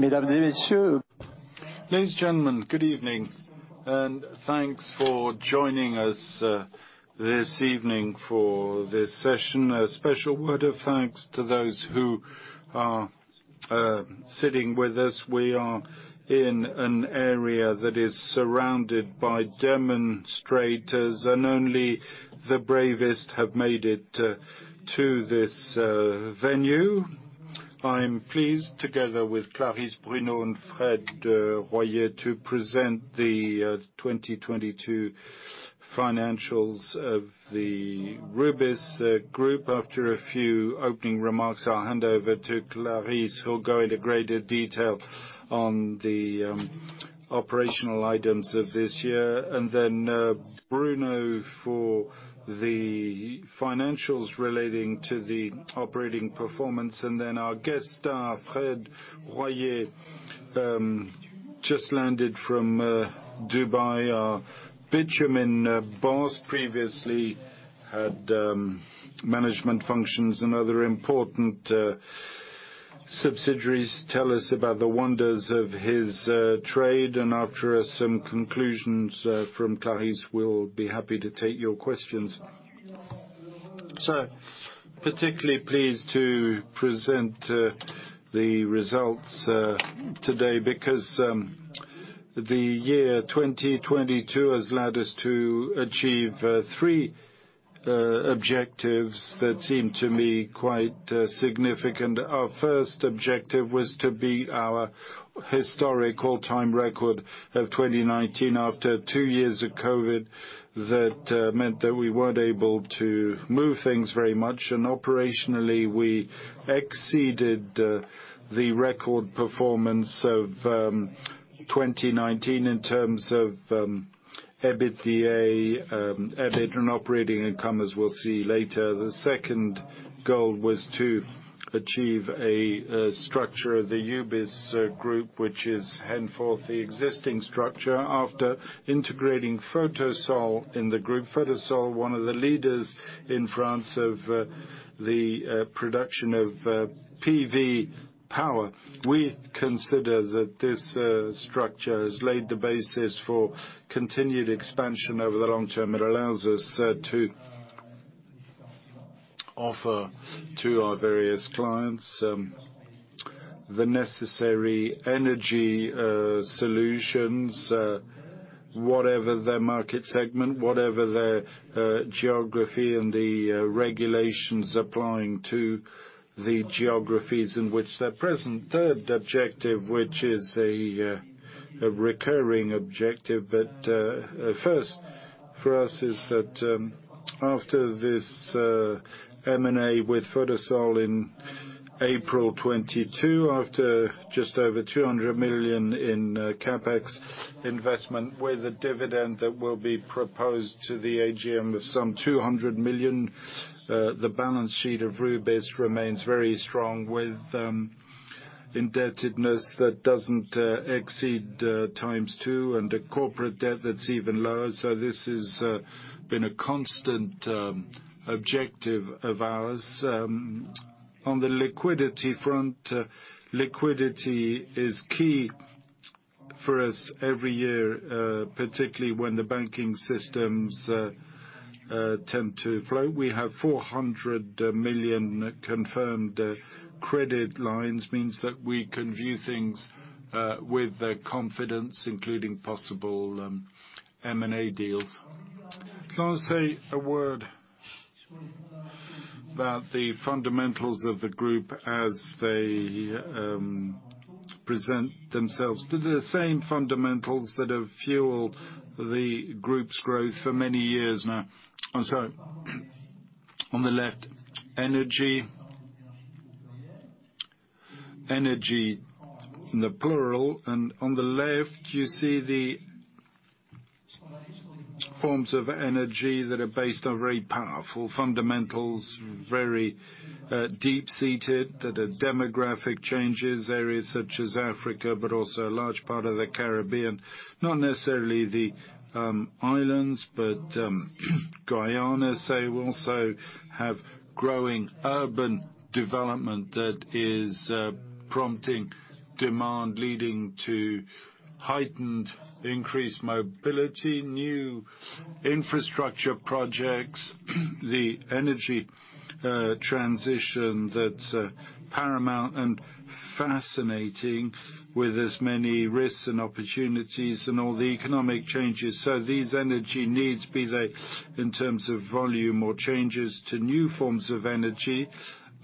Ladies and gentlemen, good evening, thanks for joining us this evening for this session. A special word of thanks to those who are sitting with us. We are in an area that is surrounded by demonstrators, and only the bravest have made it to this venue. I'm pleased together with Clarisse, Bruno and Fred Royer to present the 2022 financials of the Rubis Group. After a few opening remarks, I'll hand over to Clarisse, who'll go into greater detail on the operational items of this year. Bruno for the financials relating to the operating performance. Our guest star, Frederic Royer, just landed from Dubai, our bitumen boss, previously had management functions in other important subsidiaries tell us about the wonders of his trade. After some conclusions from Clarisse, we'll be happy to take your questions. Particularly pleased to present the results today because the year 2022 has led us to achieve three objectives that seem to me quite significant. Our first objective was to beat our historic all-time record of 2019 after two years of COVID. That meant that we weren't able to move things very much. Operationally, we exceeded the record performance of 2019 in terms of EBITDA and operating income as we'll see later. The second goal was to achieve a structure of the Rubis Group, which is henceforth the existing structure after integrating Photosol in the Group. Photosol, one of the leaders in France of the production of PV power. We consider that this structure has laid the basis for continued expansion over the long term. It allows us to offer to our various clients the necessary energy solutions, whatever their market segment, whatever their geography and the regulations applying to the geographies in which they're present. Third objective, which is a recurring objective, but a first for us, is that after this M&A with Photosol in April 2022, after just over 200 million in CapEx investment, with a dividend that will be proposed to the AGM of some 200 million, the balance sheet of Rubis remains very strong with indebtedness that doesn't exceed times two and a corporate debt that's even lower. This has been a constant objective of ours. On the liquidity front, liquidity is key for us every year, particularly when the banking systems tend to flow. We have 400 million confirmed credit lines, means that we can view things with confidence, including possible M&A deals. Can I say a word about the fundamentals of the Group as they present themselves? They're the same fundamentals that have fueled the Group's growth for many years now. On the left, energy. Energy in the plural, on the left, you see the forms of energy that are based on very powerful fundamentals, very deep-seated, that are demographic changes, areas such as Africa, but also a large part of the Caribbean. Not necessarily the islands, but Guiana, say, will also have growing urban development that is prompting demand, leading to heightened increased mobility, new infrastructure projects, the energy transition that's paramount and fascinating with as many risks and opportunities and all the economic changes. These energy needs, be they in terms of volume or changes to new forms of energy,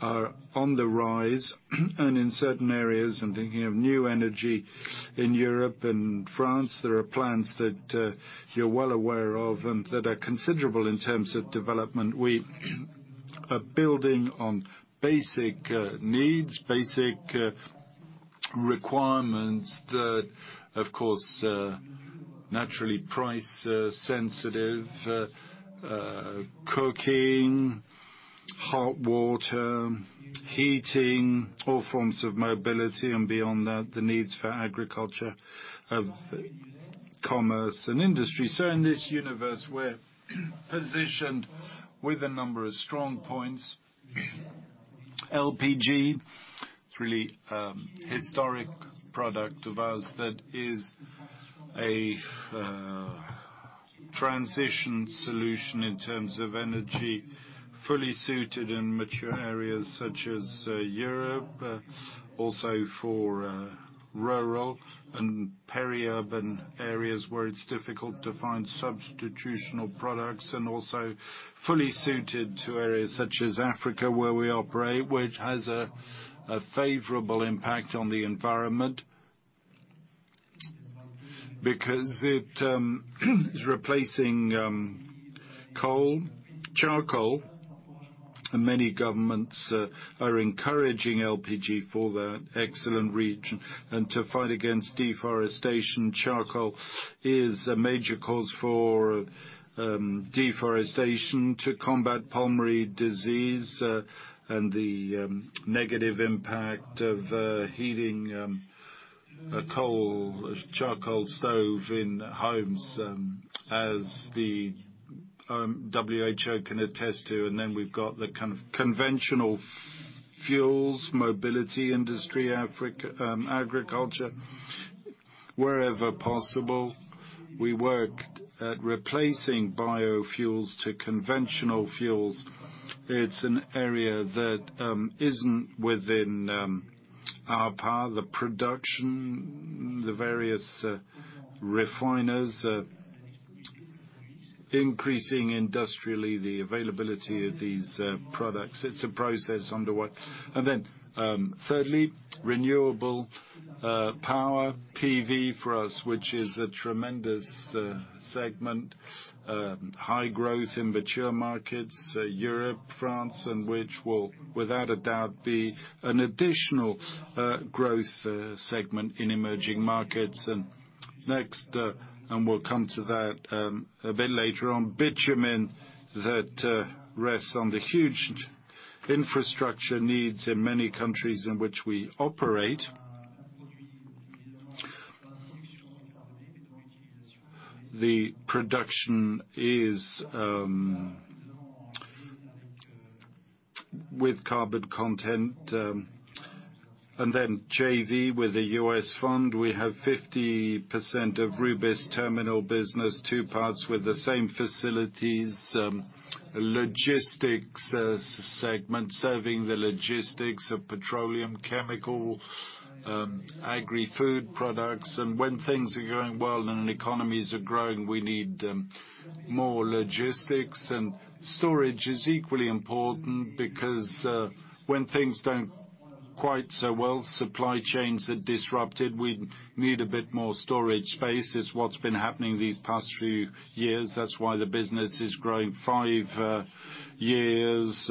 are on the rise and in certain areas, I'm thinking of new energy in Europe and France, there are plans that you're well aware of and that are considerable in terms of development. We are building on basic needs, basic requirements that, of course, are naturally price sensitive, cooking, hot water, heating, all forms of mobility, and beyond that, the needs for agriculture of commerce and industry. In this universe, we're positioned with a number of strong points. LPG, it's really a historic product of ours that is a transition solution in terms of energy, fully suited in mature areas such as Europe, also for rural and peri-urban areas where it's difficult to find substitutional products, and also fully suited to areas such as Africa, where we operate, which has a favorable impact on the environment. Because it is replacing coal, charcoal, and many governments are encouraging LPG for that excellent reason. To fight against deforestation, charcoal is a major cause for deforestation, to combat pulmonary disease, and the negative impact of heating a charcoal stove in homes, as the WHO can attest to. We've got the conventional fuels, mobility industry, Africa, agriculture. Wherever possible, we worked at replacing biofuels to conventional fuels. It's an area that isn't within our power, the production, the various refiners, increasing industrially the availability of these products. It's a process underway. Thirdly, renewable power. PV for us, which is a tremendous segment, high growth in mature markets, Europe, France, which will, without a doubt, be an additional growth segment in emerging markets. Next, we'll come to that a bit later on, bitumen that rests on the huge infrastructure needs in many countries in which we operate. The production is with carbon content. JV with a U.S. fund, we have 50% of Rubis Terminal business, two parts with the same facilities, logistics segment, serving the logistics of petroleum, chemical, agri-food products. When things are going well and economies are growing, we need more logistics. Storage is equally important because when things don't quite so well, supply chains are disrupted. We need a bit more storage space. It's what's been happening these past few years. That's why the business is growing five years,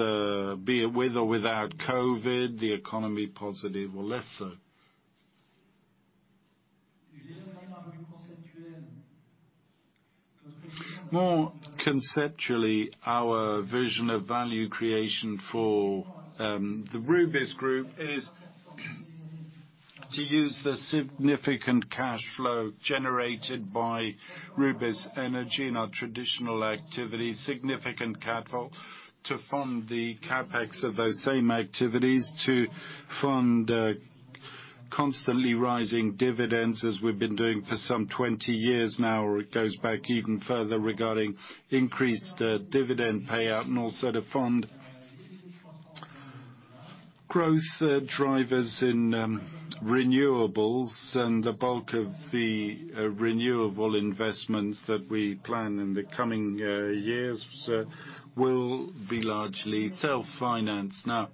be it with or without COVID, the economy positive or lesser. More conceptually, our vision of value creation for the Rubis Group is to use the significant cash flow generated by Rubis Énergie and our traditional activities, significant capital, to fund the CapEx of those same activities, to fund constantly rising dividends, as we've been doing for some 20 years now, or it goes back even further regarding increased dividend payout, and also to fund growth drivers in renewables. The bulk of the renewable investments that we plan in the coming years will be largely self-finance. Now,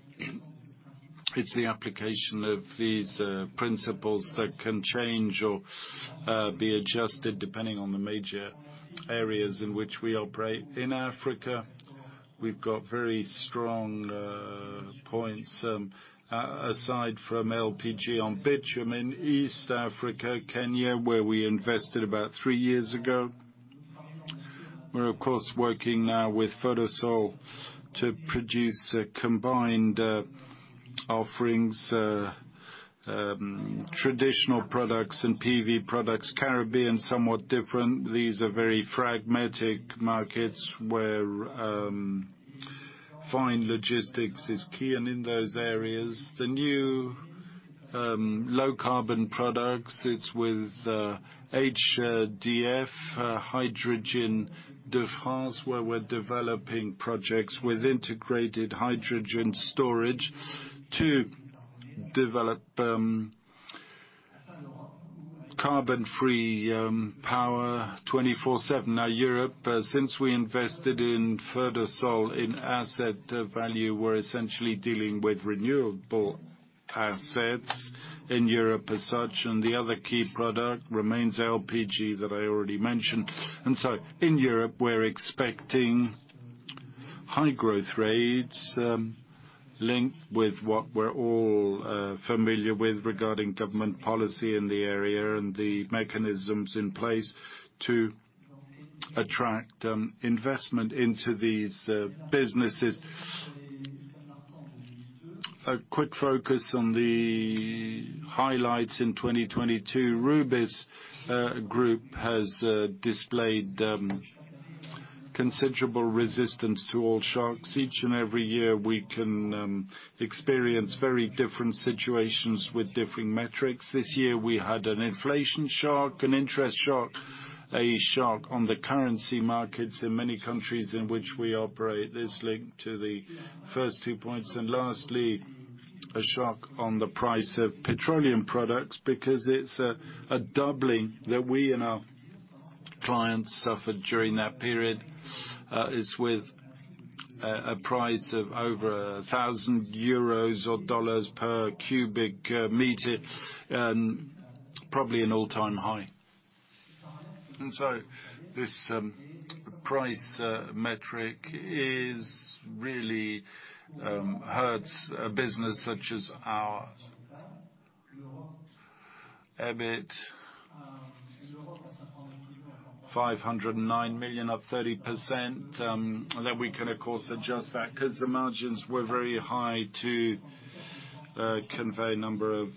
it's the application of these principles that can change or be adjusted depending on the major areas in which we operate. In Africa, we've got very strong points, aside from LPG on bitumen. East Africa, Kenya, where we invested about three years ago. We're of course working now with Photosol to produce combined offerings, traditional products and PV products. Caribbean, somewhat different. These are very pragmatic markets where fine logistics is key. In those areas, the new low carbon products, it's with HDF, Hydrogène de France, where we're developing projects with integrated hydrogen storage to develop carbon-free power 24/7. Europe, since we invested in Photosol in asset value, we're essentially dealing with renewable assets in Europe as such, and the other key product remains LPG that I already mentioned. In Europe, we're expecting high growth rates, linked with what we're all familiar with regarding government policy in the area and the mechanisms in place to attract investment into these businesses. A quick focus on the highlights in 2022. Rubis Group has displayed considerable resistance to all shocks. Each and every year, we can experience very different situations with differing metrics. This year we had an inflation shock, an interest shock, a shock on the currency markets in many countries in which we operate. This linked to the first two points. Lastly, a shock on the price of petroleum products because it's a doubling that we and our clients suffered during that period. Is with a price of over 1,000 euros per cubic meter, probably an all-time high. This price metric is really hurts a business such as ours. EBIT, 509 million, up 30%. That we can of course adjust that 'cause the margins were very high to convey a number of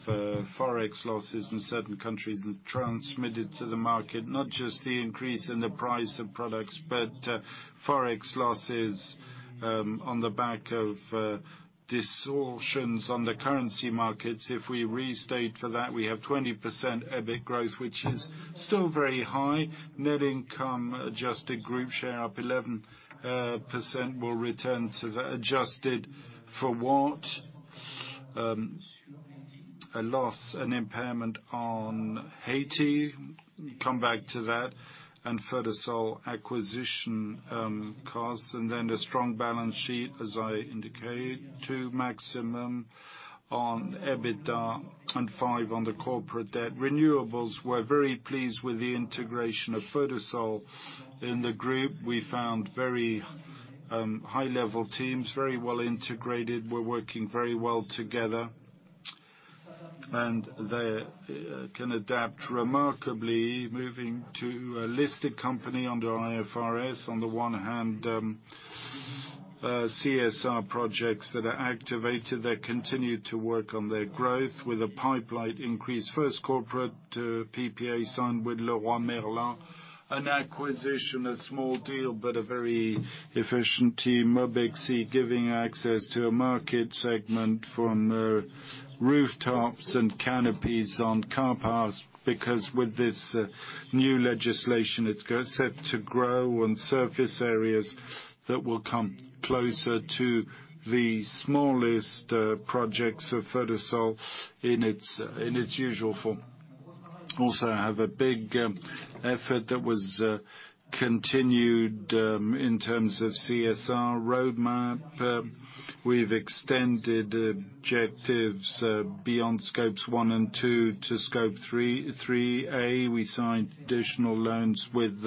Forex losses in certain countries and transmitted to the market, not just the increase in the price of products, but Forex losses on the back of distortions on the currency markets. If we restate for that, we have 20% EBIT growth, which is still very high. Net income adjusted Group share up 11% will return to the adjusted for what, a loss and impairment on Haiti. Come back to that, further solar acquisition costs, the strong balance sheet, as I indicated, to maximum on EBITDA and five on the corporate debt. Renewables, we're very pleased with the integration of Photosol in the Group. We found very high-level teams, very well integrated. We're working very well together, they can adapt remarkably. Moving to a listed company under IFRS. On the one hand, CSR projects that are activated, they continue to work on their growth with a pipeline increase. First corporate PPA signed with Leroy Merlin. An acquisition, a small deal, a very efficient team. Mobexi giving access to a market segment from rooftops and canopies on car parks, because with this new legislation, it's set to grow on surface areas that will come closer to the smallest projects of Photosol in its usual form. I have a big effort that was continued in terms of CSR roadmap. We've extended objectives beyond scopes 1 and 2 to Scope 3, Category 3A. We signed additional loans with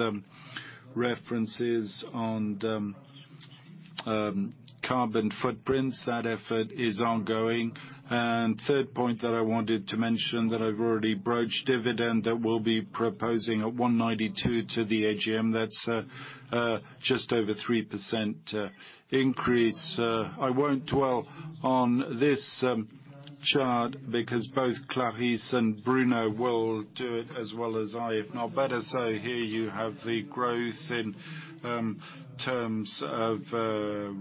references on carbon footprints. That effort is ongoing. Third point that I wanted to mention that I've already broached, dividend, that we'll be proposing at 1.92 to the AGM. That's just over 3% increase. I won't dwell on this chart because both Clarisse and Bruno will do it as well as I, if not better. Here you have the growth in terms of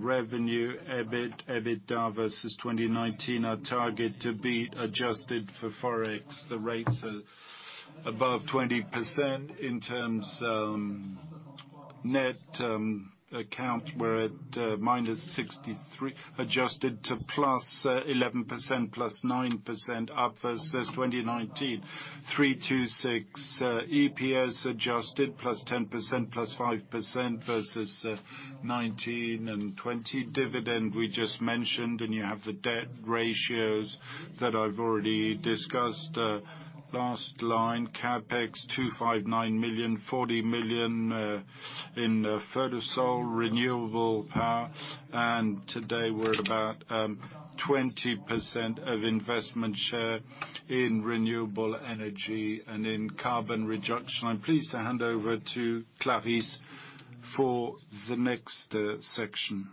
revenue, EBIT, EBITDA versus 2019. Our target to be adjusted for Forex. The rates are above 20% in terms net account, we're at -63%, adjusted to +11%, +9% up versus 2019. 326 million. EPS adjusted +10%, +5% versus 2019 and 2020. Dividend we just mentioned, and you have the debt ratios that I've already discussed. Last line, CapEx, 259 million, 40 million in Photosol renewable power. Today we're at about 20% of investment share in renewable energy and in carbon reduction. I'm pleased to hand over to Clarisse for the next section.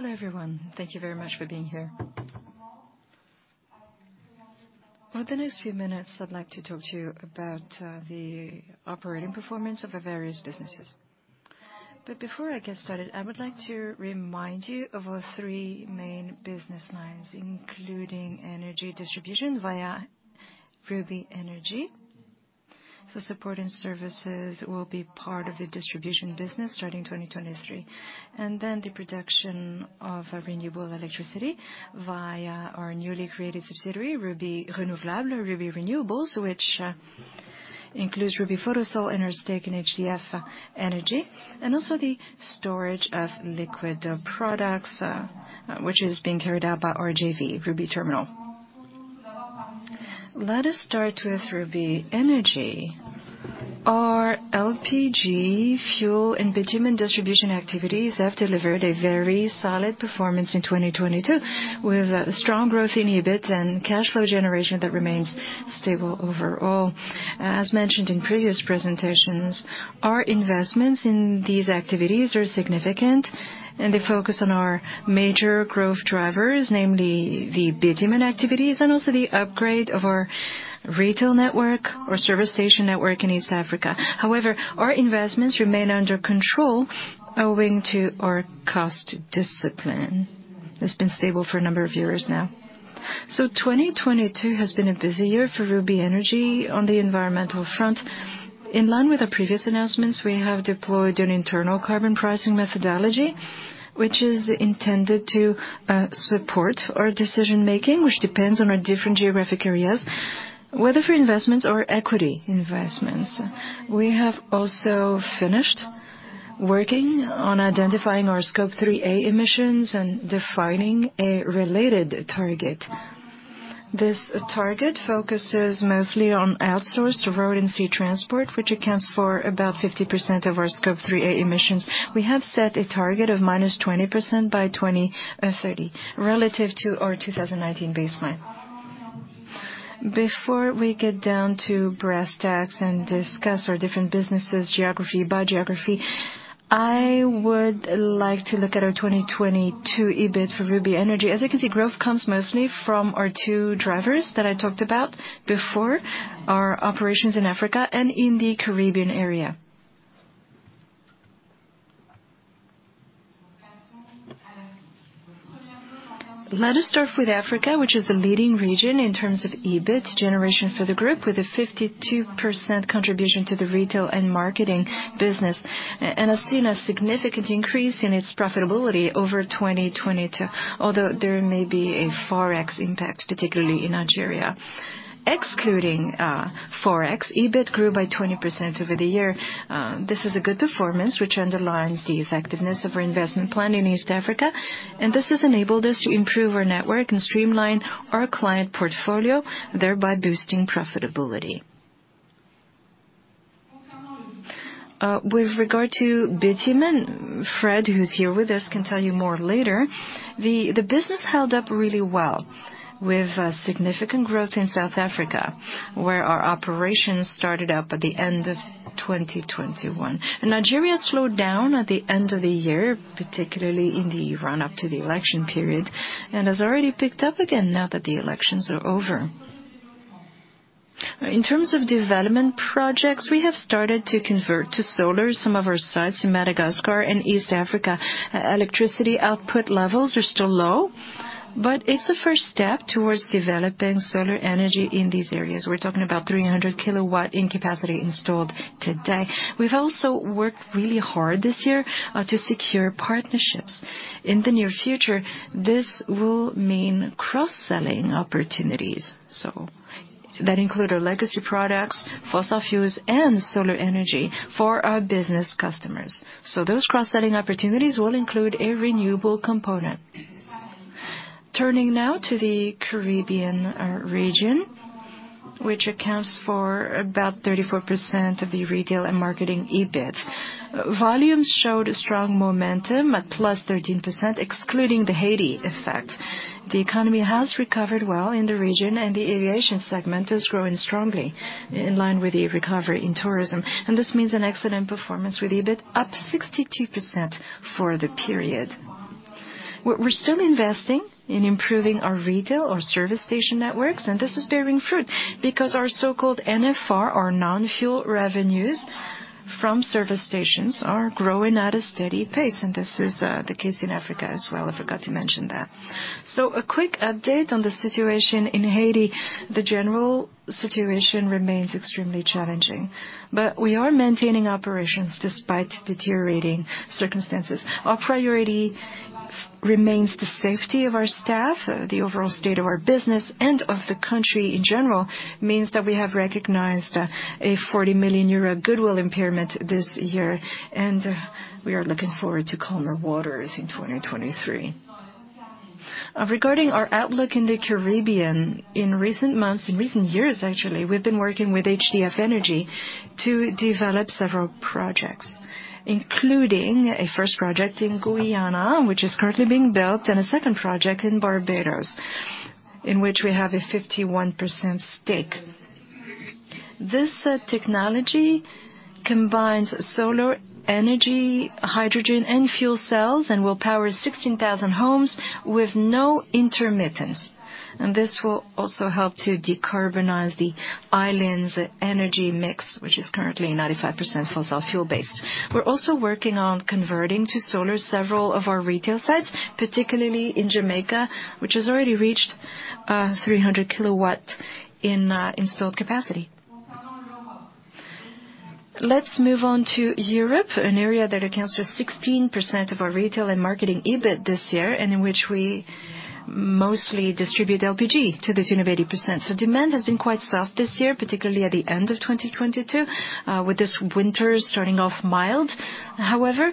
Hello, everyone. Thank you very much for being here. Over the next few minutes, I'd like to talk to you about the operating performance of our various businesses. Before I get started, I would like to remind you of our three main business lines, including energy distribution via Rubis Énergie. Support and services will be part of the distribution business starting 2023. The production of renewable electricity via our newly created subsidiary, Rubis Renouvelables, Rubis Renewables, which includes Rubis Photosol and our stake in HDF Energy, and also the storage of liquid products, which is being carried out by our JV, Rubis Terminal. Let us start with Rubis Énergie. Our LPG fuel and bitumen distribution activities have delivered a very solid performance in 2022, with strong growth in EBIT and cash flow generation that remains stable overall. As mentioned in previous presentations, our investments in these activities are significant, and they focus on our major growth drivers, namely the bitumen activities and also the upgrade of our retail network, our service station network in East Africa. However, our investments remain under control owing to our cost discipline. It's been stable for a number of years now. 2022 has been a busy year for Rubis Énergie on the environmental front. In line with our previous announcements, we have deployed an internal carbon pricing methodology, which is intended to support our decision-making, which depends on our different geographic areas, whether for investments or equity investments. We have also finished working on identifying our Scope 3A emissions and defining a related target. This target focuses mostly on outsourced road and sea transport, which accounts for about 50% of our Scope 3A emissions. We have set a target of minus 20% by 2030 relative to our 2019 baseline. Before we get down to brass tacks and discuss our different businesses geography by geography, I would like to look at our 2022 EBIT for Rubis Énergie. As you can see, growth comes mostly from our two drivers that I talked about before, our operations in Africa and in the Caribbean area. Let us start with Africa, which is a leading region in terms of EBIT generation for the Group with a 52% contribution to the retail and marketing business, and has seen a significant increase in its profitability over 2022, although there may be a Forex impact, particularly in Nigeria. Excluding Forex, EBIT grew by 20% over the year. This is a good performance, which underlines the effectiveness of our investment plan in East Africa, and this has enabled us to improve our network and streamline our client portfolio, thereby boosting profitability. With regard to bitumen, Fred, who's here with us, can tell you more later. The business held up really well with significant growth in South Africa, where our operations started up at the end of 2021. Nigeria slowed down at the end of the year, particularly in the run-up to the election period, and has already picked up again now that the elections are over. In terms of development projects, we have started to convert to solar some of our sites in Madagascar and East Africa. Electricity output levels are still low, but it's a first step towards developing solar energy in these areas. We're talking about 300 kW in capacity installed today. We've also worked really hard this year to secure partnerships. In the near future, this will mean cross-selling opportunities, so that include our legacy products, fossil fuels, and solar energy for our business customers. Those cross-selling opportunities will include a renewable component. Turning now to the Caribbean region, which accounts for about 34% of the retail and marketing EBIT. Volumes showed strong momentum at +13%, excluding the Haiti effect. The economy has recovered well in the region, and the aviation segment is growing strongly in line with the recovery in tourism. This means an excellent performance with EBIT up 62% for the period. We're still investing in improving our retail, our service station networks, and this is bearing fruit because our so-called NFR, our non-fuel revenues from service stations, are growing at a steady pace, and this is the case in Africa as well. I forgot to mention that. A quick update on the situation in Haiti. The general situation remains extremely challenging, but we are maintaining operations despite deteriorating circumstances. Our priority remains the safety of our staff. The overall state of our business and of the country in general means that we have recognized a 40 million euro goodwill impairment this year, and we are looking forward to calmer waters in 2023. Regarding our outlook in the Caribbean, in recent months, in recent years actually, we've been working with HDF Energy to develop several projects, including a first project in Guiana, which is currently being built, and a second project in Barbados, in which we have a 51% stake. This technology combines solar energy, hydrogen, and fuel cells and will power 16,000 homes with no intermittence. This will also help to decarbonize the island's energy mix, which is currently 95% fossil fuel-based. We're also working on converting to solar several of our retail sites, particularly in Jamaica, which has already reached 300 kW in installed capacity. Let's move on to Europe, an area that accounts for 16% of our retail and marketing EBIT this year, and in which we mostly distribute LPG to the tune of 80%. Demand has been quite soft this year, particularly at the end of 2022, with this winter starting off mild. However,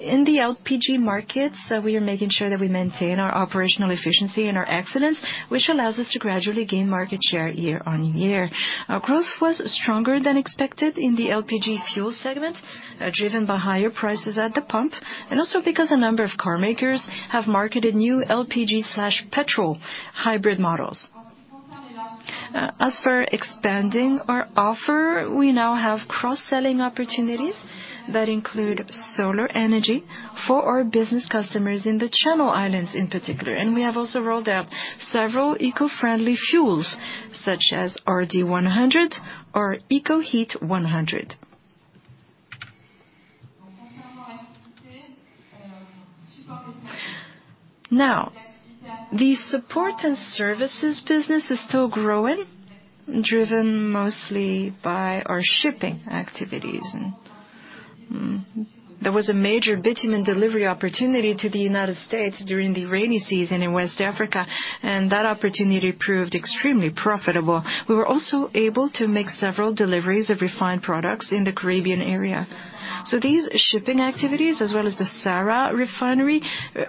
in the LPG markets, we are making sure that we maintain our operational efficiency and our excellence, which allows us to gradually gain market share year on year. Our growth was stronger than expected in the LPG fuel segment, driven by higher prices at the pump and also because a number of car makers have marketed new LPG/petrol hybrid models. As for expanding our offer, we now have cross-selling opportunities that include solar energy for our business customers in the Channel Islands in particular. We have also rolled out several eco-friendly fuels, such as RD100 or EcoHeat100. The support and services business is still growing, driven mostly by our shipping activities. There was a major bitumen delivery opportunity to the United States during the rainy season in West Africa, and that opportunity proved extremely profitable. We were also able to make several deliveries of refined products in the Caribbean area. These shipping activities, as well as the SARA refinery,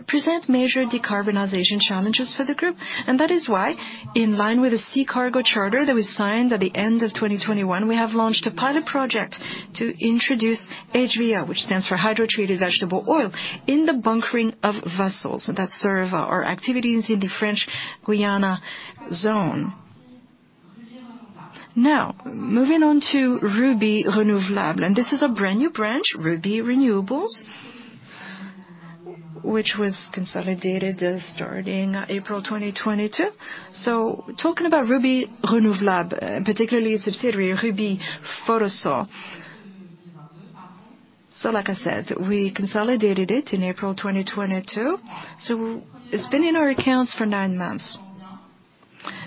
present major decarbonization challenges for the group. That is why, in line with the Sea Cargo Charter that was signed at the end of 2021, we have launched a pilot project to introduce HVO, which stands for Hydrotreated Vegetable Oil, in the bunkering of vessels that serve our activities in the French Guiana zone. Moving on to Rubis Renouvelables, this is a brand-new branch, Rubis Renewables, which was consolidated starting April 2022. Talking about Rubis Renouvelables, and particularly its subsidiary, Rubis Photosol. Like I said, we consolidated it in April 2022, so it's been in our accounts for nine months.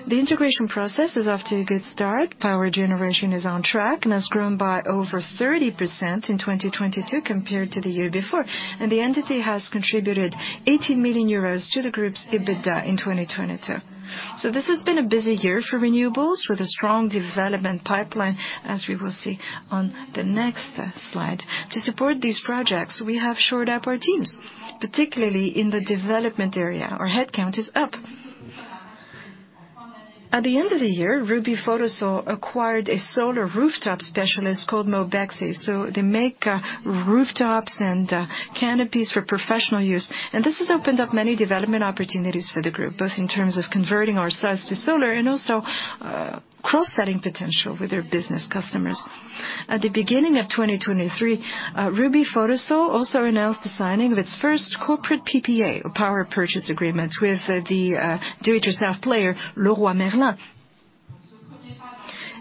The integration process is off to a good start. Power generation is on track and has grown by over 30% in 2022 compared to the year before. The entity has contributed 80 million euros to the Group's EBITDA in 2022. This has been a busy year for renewables, with a strong development pipeline, as we will see on the next slide. To support these projects, we have shored up our teams, particularly in the development area. Our headcount is up. At the end of the year, Rubis Photosol acquired a solar rooftop specialist called Mobexi. They make rooftops and canopies for professional use. This has opened up many development opportunities for the Group, both in terms of converting our sites to solar and also, cross-selling potential with their business customers. At the beginning of 2023, Rubis Photosol also announced the signing of its first corporate PPA, or power purchase agreement, with the do-it-yourself player, Leroy Merlin.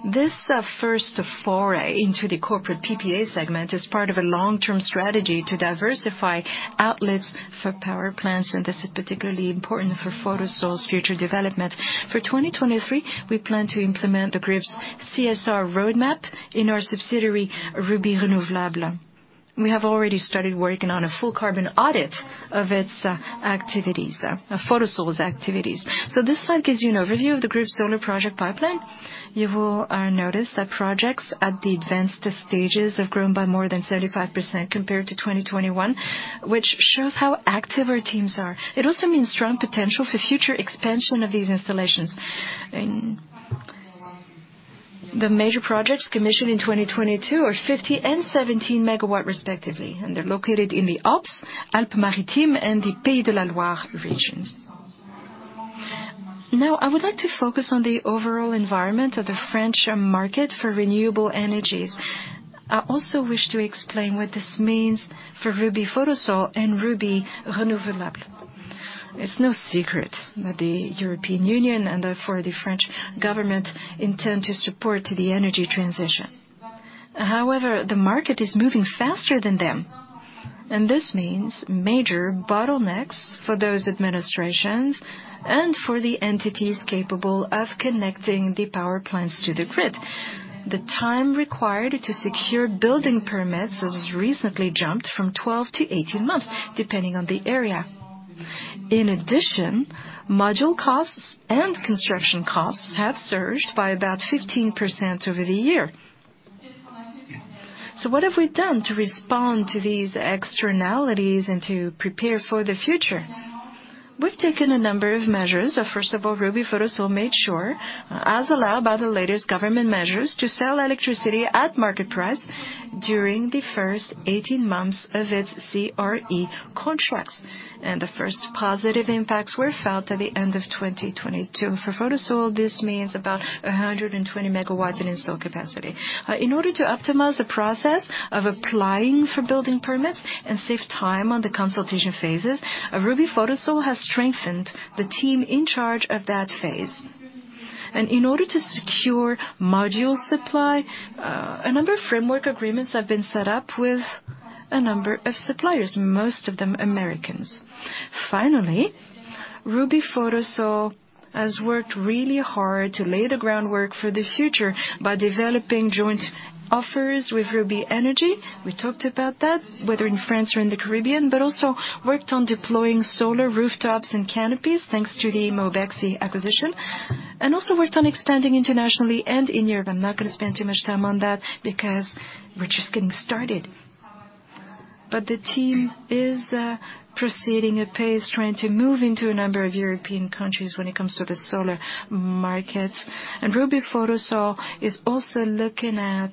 This first foray into the corporate PPA segment is part of a long-term strategy to diversify outlets for power plants, and this is particularly important for Photosol's future development. For 2023, we plan to implement the Group's CSR roadmap in our subsidiary, Rubis Renouvelables. We have already started working on a full carbon audit of Photosol's activities. This slide gives you an overview of the Group's solar project pipeline. You will notice that projects at the advanced stages have grown by more than 35% compared to 2021, which shows how active our teams are. It also means strong potential for future expansion of these installations. The major projects commissioned in 2022 are 50 MW and 17 MW respectively, and they're located in the Alpes-Maritimes, and the Pays de la Loire regions. Now, I would like to focus on the overall environment of the French market for renewable energies. I also wish to explain what this means for Rubis Photosol and Rubis Renouvelables. It's no secret that the European Union and therefore the French government intend to support the energy transition. However, the market is moving faster than them, and this means major bottlenecks for those administrations and for the entities capable of connecting the power plants to the grid. The time required to secure building permits has recently jumped from 12-18 months, depending on the area. In addition, module costs and construction costs have surged by about 15% over the year. What have we done to respond to these externalities and to prepare for the future? We've taken a number of measures. First of all, Rubis Photosol made sure, as allowed by the latest government measures, to sell electricity at market price during the first 18 months of its CRE contracts. The first positive impacts were felt at the end of 2022. For Photosol, this means about 120 MW in install capacity. In order to optimize the process of applying for building permits and save time on the consultation phases, Rubis Photosol has strengthened the team in charge of that phase. In order to secure module supply, a number of framework agreements have been set up with a number of suppliers, most of them Americans. Finally, Rubis Photosol has worked really hard to lay the groundwork for the future by developing joint offers with Rubis Énergie. We talked about that, whether in France or in the Caribbean, but also worked on deploying solar rooftops and canopies thanks to the Mobexi acquisition, and also worked on expanding internationally and in Europe. I'm not gonna spend too much time on that because we're just getting started. The team is proceeding apace, trying to move into a number of European countries when it comes to the solar market. Rubis Photosol is also looking at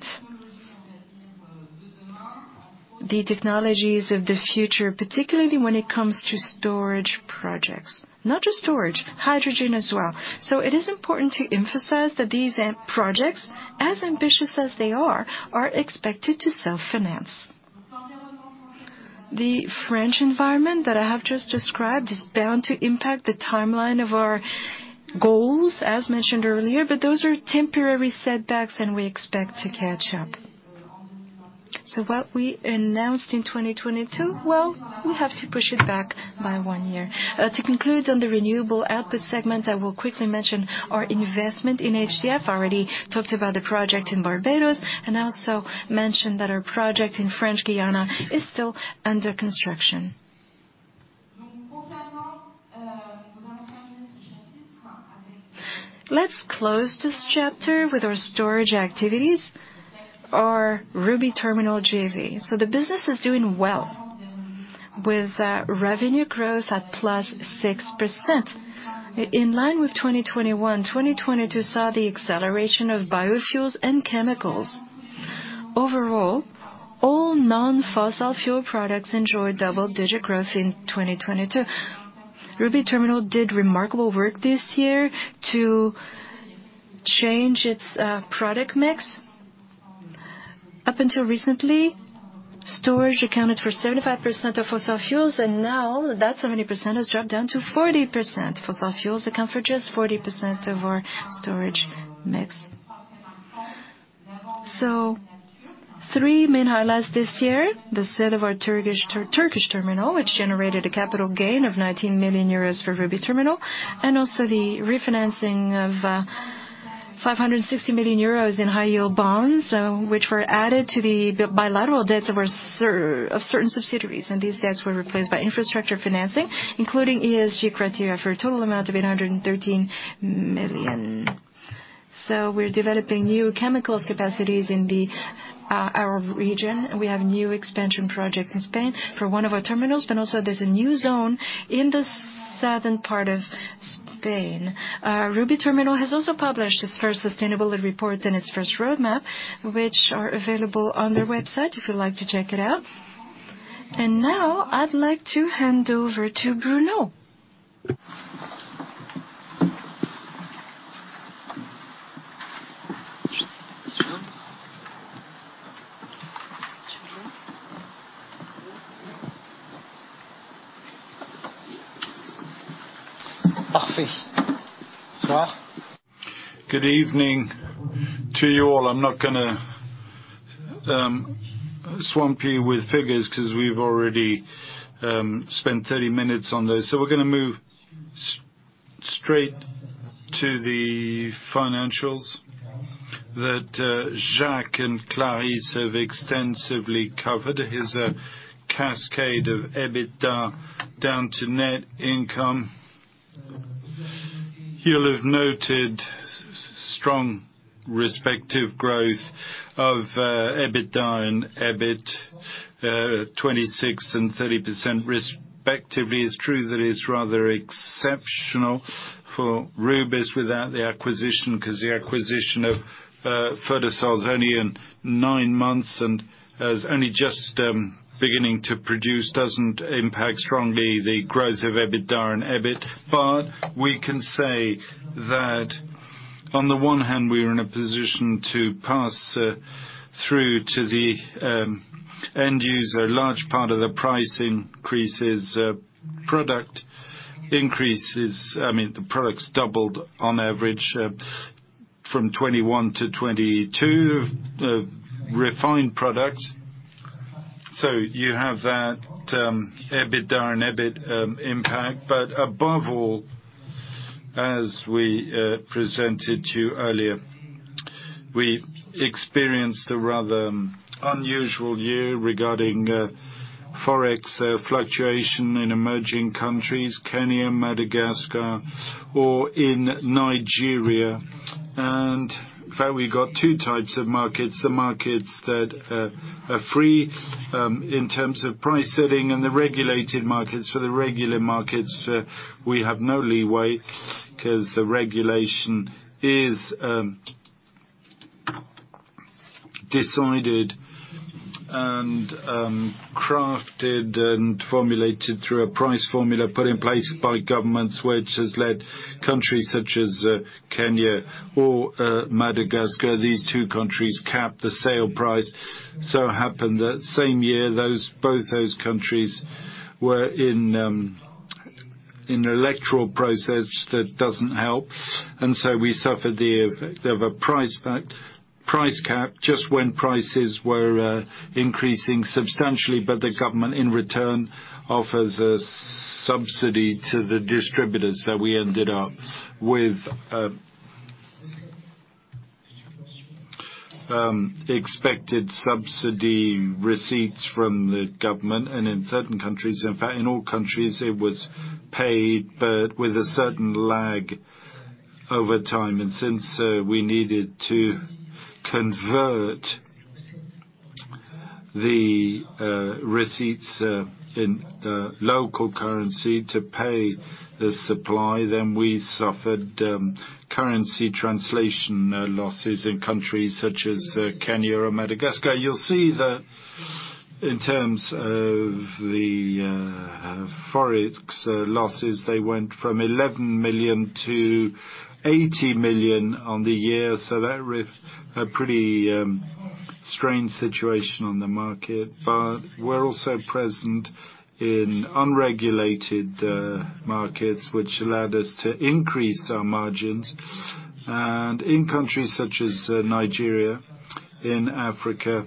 the technologies of the future, particularly when it comes to storage projects. Not just storage, hydrogen as well. It is important to emphasize that these end projects, as ambitious as they are expected to self-finance. The French environment that I have just described is bound to impact the timeline of our goals, as mentioned earlier, but those are temporary setbacks, and we expect to catch up. What we announced in 2022, well, we have to push it back by one year. To conclude on the renewable output segment, I will quickly mention our investment in HDF. I already talked about the project in Barbados, and I also mentioned that our project in French Guiana is still under construction. Let's close this chapter with our storage activities, our Rubis Terminal JV. The business is doing well, with revenue growth at +6%. In line with 2021, 2022 saw the acceleration of biofuels and chemicals. Overall, all non-fossil fuel products enjoyed double-digit growth in 2022. Rubis Terminal did remarkable work this year to change its product mix. Up until recently, storage accounted for 75% of fossil fuels, now that 70% has dropped down to 40%. Fossil fuels account for just 40% of our storage mix. Three main highlights this year, the sale of our Turkish terminal, which generated a capital gain of 19 million euros for Rubis Terminal, also the refinancing of 560 million euros in high-yield bonds, which were added to the bilateral debts of certain subsidiaries. These debts were replaced by infrastructure financing, including ESG criteria, for a total amount of 813 million. We're developing new chemicals capacities in our region. We have new expansion projects in Spain for one of our terminals. Also, there's a new zone in the southern part of Spain. Rubis Terminal has also published its first sustainability report and its first roadmap, which are available on their website if you'd like to check it out. Now I'd like to hand over to Bruno. Good evening to you all. I'm not gonna swamp you with figures 'cause we've already spent 30 minutes on those. We're gonna move straight to the financials that Jacques and Clarisse have extensively covered. Here's a cascade of EBITDA down to net income. You'll have noted strong respective growth of EBITDA and EBIT, 26% and 30% respectively. It's true that it's rather exceptional for Rubis without the acquisition, 'cause the acquisition of Photosol was only in nine months and is only just beginning to produce, doesn't impact strongly the growth of EBITDA and EBIT. We can say that on the one hand, we're in a position to pass through to the end user large part of the price increases, product increases. I mean, the products doubled on average from 2021 to 2022, refined products. You have that EBITDA and EBIT impact. Above all, as we presented to you earlier, we experienced a rather unusual year regarding Forex fluctuation in emerging countries, Kenya, Madagascar, or in Nigeria. In fact, we got two types of markets, the markets that are free in terms of price setting and the regulated markets. For the regulated markets, we have no leeway 'cause the regulation is decided and crafted and formulated through a price formula put in place by governments, which has led countries such as Kenya or Madagascar. These two countries capped the sale price. It happened that same year, both those countries were in electoral process that doesn't help. We suffered the price cap just when prices were increasing substantially. The government, in return, offers a subsidy to the distributors. We ended up with expected subsidy receipts from the government. In certain countries, in fact, in all countries, it was paid, but with a certain lag over time. Since we needed to convert the receipts in the local currency to pay the supply, we suffered currency translation losses in countries such as Kenya or Madagascar. In terms of the Forex losses, they went from 11 million-80 million on the year. That was a pretty strange situation on the market. We're also present in unregulated markets, which allowed us to increase our margins. In countries such as Nigeria, in Africa,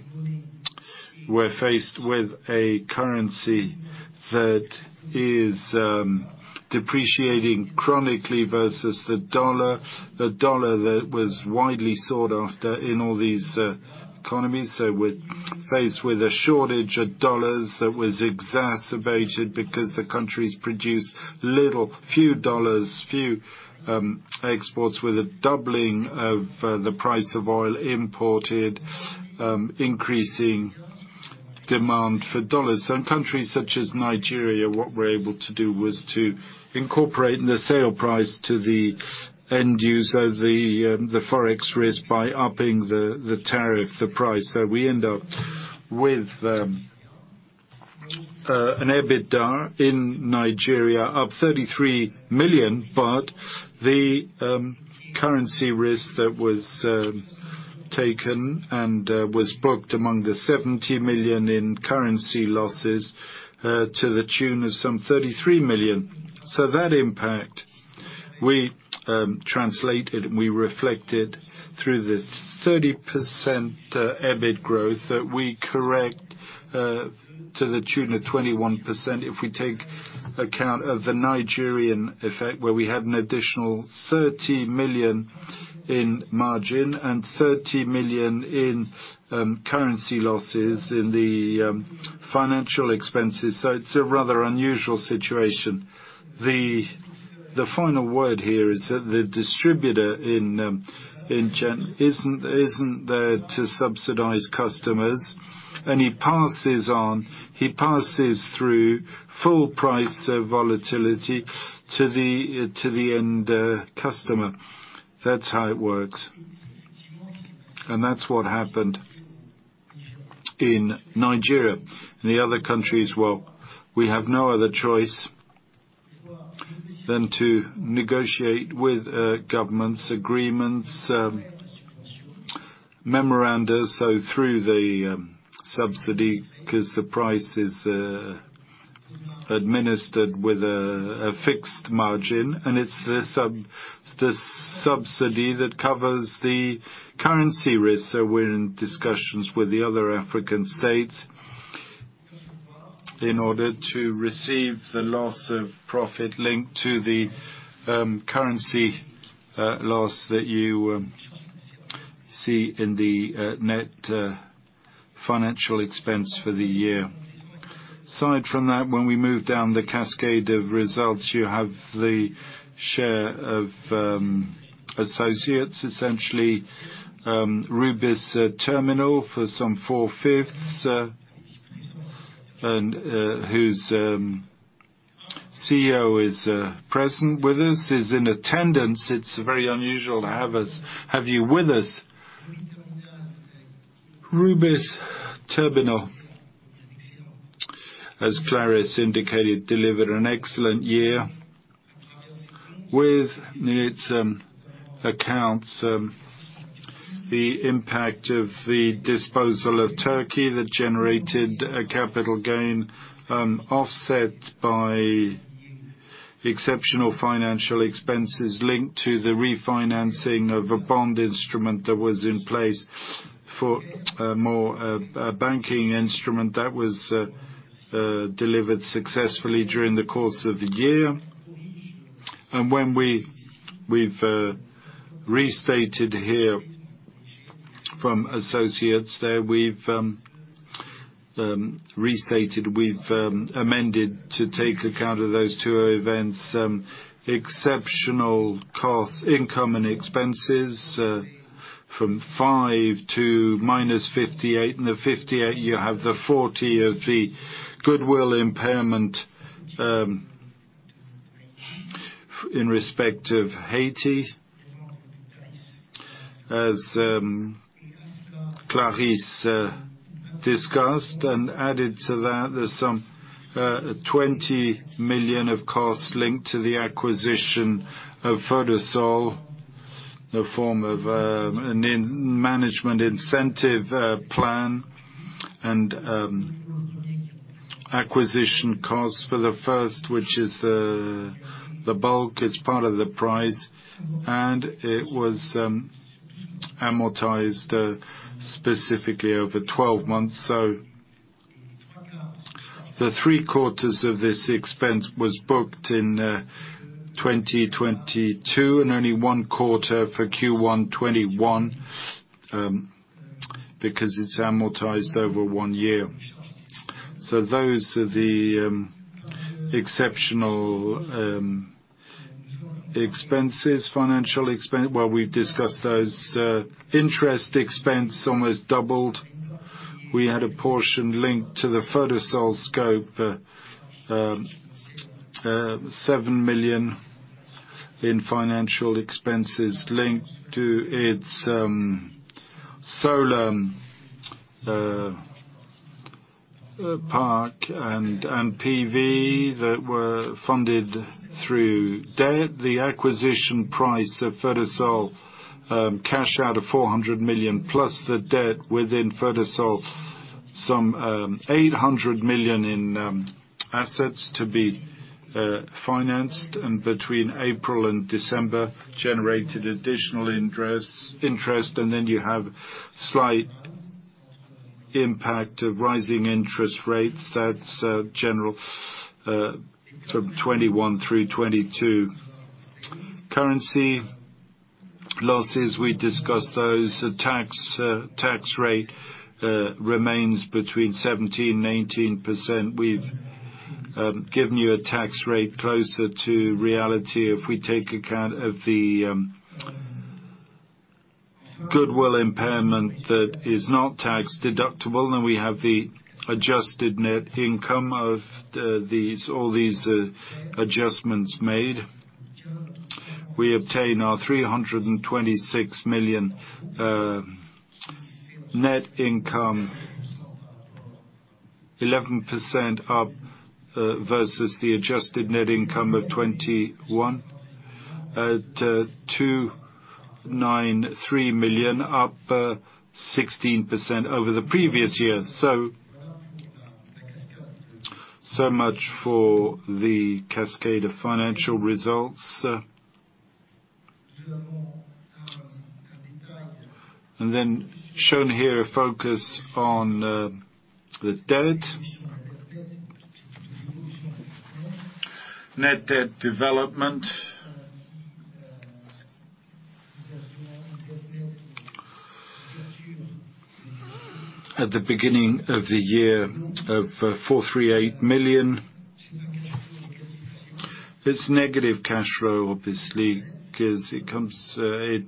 we're faced with a currency that is depreciating chronically versus the dollar. The dollar that was widely sought after in all these economies. We're faced with a shortage of dollars that was exacerbated because the countries produce little, few dollars, few exports. With a doubling of the price of oil imported, increasing demand for dollars. In countries such as Nigeria, what we're able to do was to incorporate the sale price to the end user, the Forex risk, by upping the tariff, the price. We end up with an EBITDA in Nigeria up 33 million, but the currency risk that was taken and was booked among the 70 million in currency losses to the tune of some 33 million. That impact we translated, we reflected through the 30% EBIT growth that we correct to the tune of 21% if we take account of the Nigerian effect, where we had an additional 30 million in margin and 30 million in currency losses in the financial expenses. It's a rather unusual situation. The final word here is that the distributor in Nigeria isn't there to subsidize customers. He passes through full price volatility to the end customer. That's how it works, and that's what happened in Nigeria. In the other countries, well, we have no other choice than to negotiate with governments, agreements, memoranda. Through the subsidy, 'cause the price is administered with a fixed margin, and it's the subsidy that covers the currency risk. We're in discussions with the other African states in order to receive the loss of profit linked to the currency loss that you see in the net financial expense for the year. Aside from that, when we move down the cascade of results, you have the share of associates, essentially, Rubis Terminal for some four-fifths, and whose CEO is present with us, is in attendance. It's very unusual to have you with us. Rubis Terminal, as Clarisse indicated, delivered an excellent year with its accounts, the impact of the disposal of Turkey that generated a capital gain, offset by exceptional financial expenses linked to the refinancing of a bond instrument that was in place for more a banking instrument that was delivered successfully during the course of the year. When we've restated here from associates there, we've restated, we've amended to take account of those two events, exceptional costs, income and expenses, from 5 million to -58 million. The 58 million, you have the 40 million of the goodwill impairment in respect of Haiti, as Clarisse discussed. Added to that, there's some 20 million of costs linked to the acquisition of Photosol, a form of an in-management incentive plan and acquisition cost for the first, which is the bulk. It's part of the price, and it was amortized specifically over 12 months. The three-quarters of this expense was booked in 2022 and only one quarter for Q1 2021 because it's amortized over one year. Those are the exceptional expenses, financial expense. We've discussed those. Interest expense almost doubled. We had a portion linked to the Photosol scope, EUR 7 million in financial expenses linked to its solar park and PV that were funded through debt. The acquisition price of Photosol, cash out of 400 million, plus the debt within Photosol, some 800 million in assets to be financed. Between April and December generated additional interest, then you have slight impact of rising interest rates. That's general from 2021 through 2022. Currency losses, we discussed those. The tax rate remains between 17%-19%. We've given you a tax rate closer to reality. If we take account of the goodwill impairment that is not tax-deductible, then we have the adjusted net income of all these adjustments made. We obtain our 326 million net income, 11% up versus the adjusted net income of 2021. At 293 million, up 16% over the previous year. Much for the cascade of financial results. Shown here, a focus on the debt. Net debt development. At the beginning of the year of 438 million. It's negative cash flow, obviously, 'cause it comes, it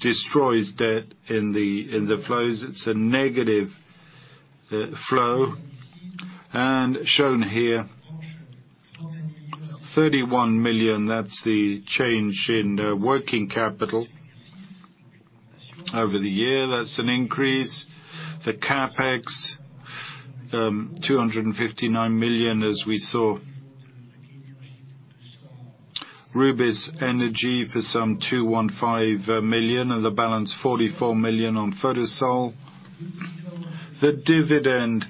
destroys debt in the, in the flows. It's a negative flow. Shown here, 31 million, that's the change in working capital over the year. That's an increase. The CapEx, 259 million, as we saw. Rubis Énergie for some 215 million, and the balance 44 million on Photosol. The dividend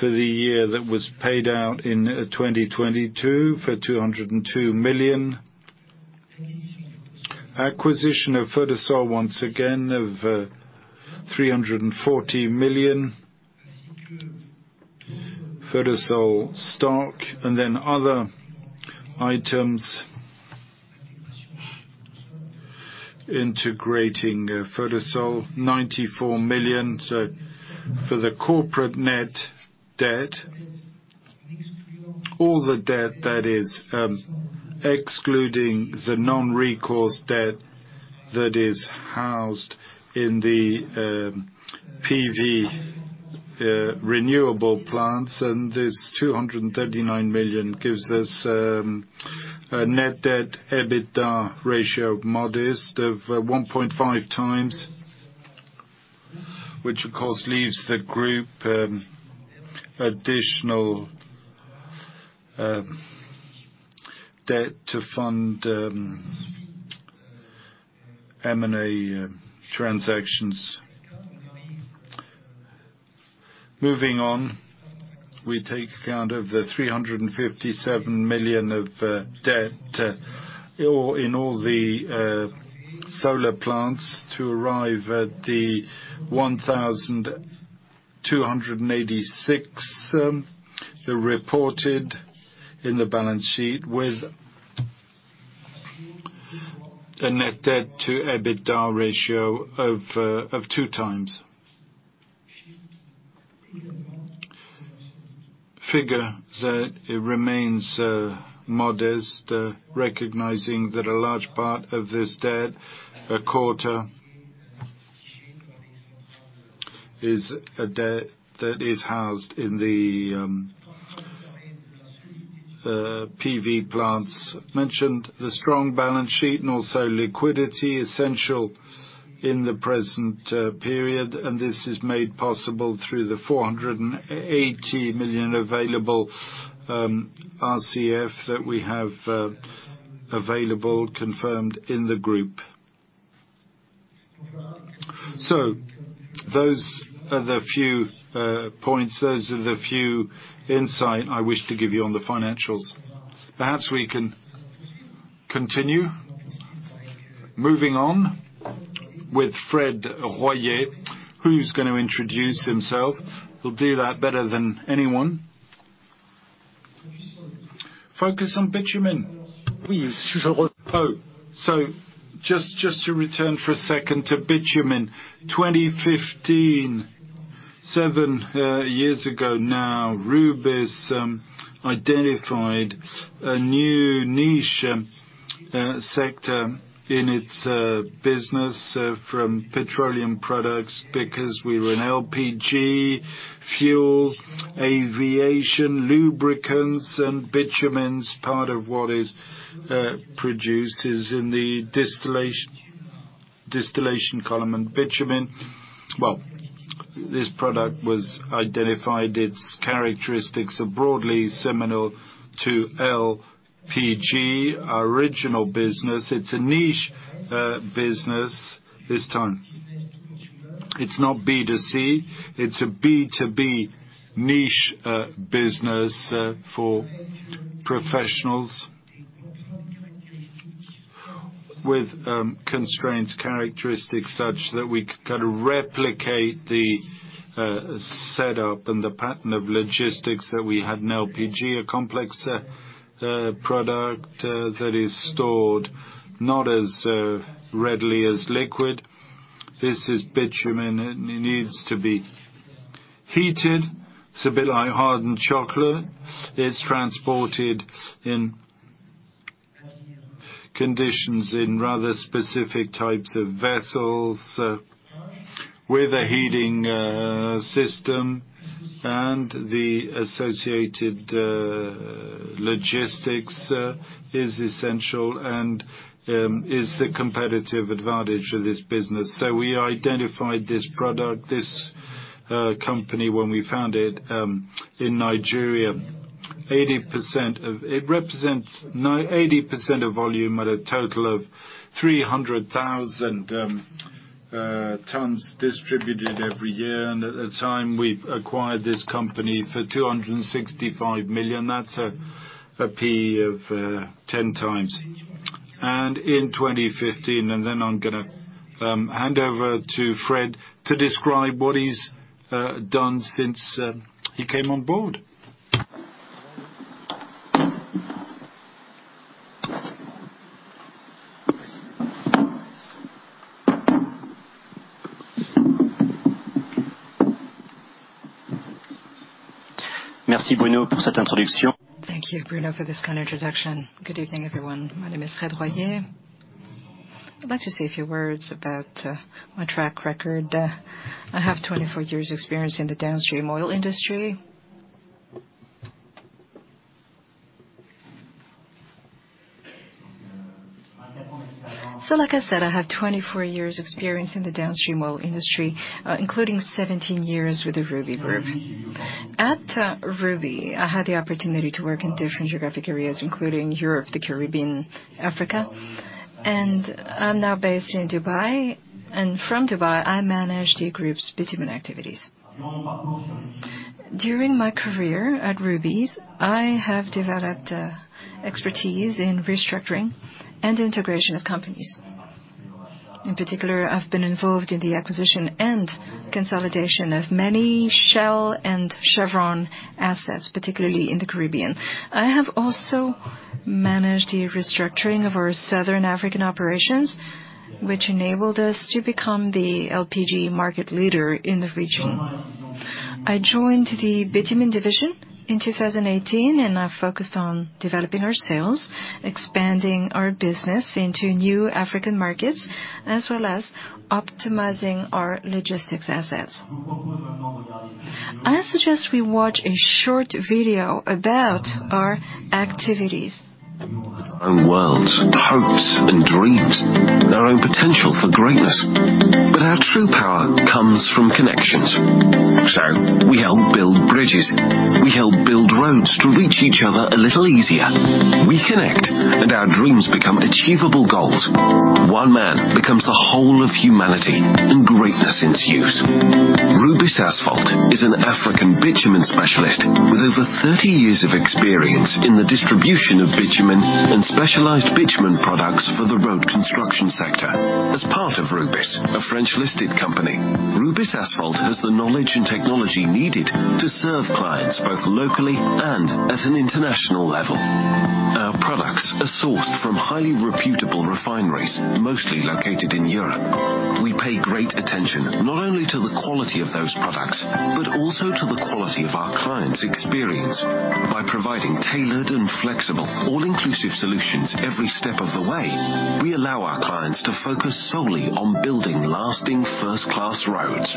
for the year that was paid out in 2022 for 202 million. Acquisition of Photosol once again of EUR 340 million Photosol stock. Other items integrating Photosol, 94 million. For the corporate net debt, all the debt that is excluding the non-recourse debt that is housed in the PV renewable plants, this 239 million gives us a net debt EBITDA ratio modest of 1.5x, which of course leaves the Group additional debt to fund M&A transactions. Moving on, we take account of the 357 million of debt or in all the solar plants to arrive at the 1,286 million reported in the balance sheet, with a net debt to EBITDA ratio of 2x. Figure that it remains modest recognizing that a large part of this debt, a quarter, is a debt that is housed in the PV plants. Mentioned the strong balance sheet and also liquidity essential in the present period. This is made possible through the 480 million available RCF that we have available, confirmed in the Group. Those are the few points, those are the few insight I wish to give you on the financials. Perhaps we can continue. Moving on with Frederic Royer, who's gonna introduce himself. He'll do that better than anyone. Focus on bitumen. Please. Just to return for a second to bitumen. 2015, seven years ago now, Rubis identified a new niche sector in its business from petroleum products, because we were in LPG, fuel, aviation, lubricants, and bitumens. Part of what is produced is in the distillation column and bitumen. This product was identified, its characteristics are broadly similar to LPG, our original business. It's a niche business this time. It's not B2C, it's a B2B niche business for professionals with constraints, characteristics, such that we can kind of replicate the setup and the pattern of logistics that we had in LPG. A complex product that is stored not as readily as liquid. This is bitumen. It needs to be heated. It's a bit like hardened chocolate. It's transported in conditions in rather specific types of vessels, with a heating system, and the associated logistics is essential and is the competitive advantage of this business. We identified this product, this company when we found it in Nigeria. It represents 80% of volume at a total of 300,000 tons distributed every year. At the time we acquired this company for 265 million, that's a P/E of 10x. In 2015, I'm gonna hand over to Fred to describe what he's done since he came on board. Thank you, Bruno, for this kind introduction. Good evening, everyone. My name is Frederic Royer. I'd like to say a few words about my track record. I have 24 years' experience in the downstream oil industry. Like I said, I have 24 years' experience in the downstream oil industry, including 17 years with the Rubis Group. At Rubis, I had the opportunity to work in different geographic areas, including Europe, the Caribbean, Africa, and I'm now based in Dubai. From Dubai, I manage the Group's bitumen activities. During my career at Rubis, I have developed expertise in restructuring and integration of companies. In particular, I've been involved in the acquisition and consolidation of many Shell and Chevron assets, particularly in the Caribbean. I have also managed the restructuring of our Southern African operations, which enabled us to become the LPG market leader in the region. I joined the bitumen division in 2018, and I focused on developing our sales, expanding our business into new African markets, as well as optimizing our logistics assets. I suggest we watch a short video about our activities. Our own worlds, hopes, and dreams. Our own potential for greatness. Our true power comes from connections. We help build bridges, we help build roads to reach each other a little easier. We connect, our dreams become achievable goals. One man becomes the whole of humanity, greatness ensues. Rubis Asphalt is an African bitumen specialist with over 30 years of experience in the distribution of bitumen and specialized bitumen products for the road construction sector. As part of Rubis, a French-listed company, Rubis Asphalt has the knowledge and technology needed to serve clients both locally and at an international level. Our products are sourced from highly reputable refineries, mostly located in Europe. We pay great attention not only to the quality of those products, but also to the quality of our clients' experience. By providing tailored and flexible all-inclusive solutions every step of the way, we allow our clients to focus solely on building lasting first-class roads.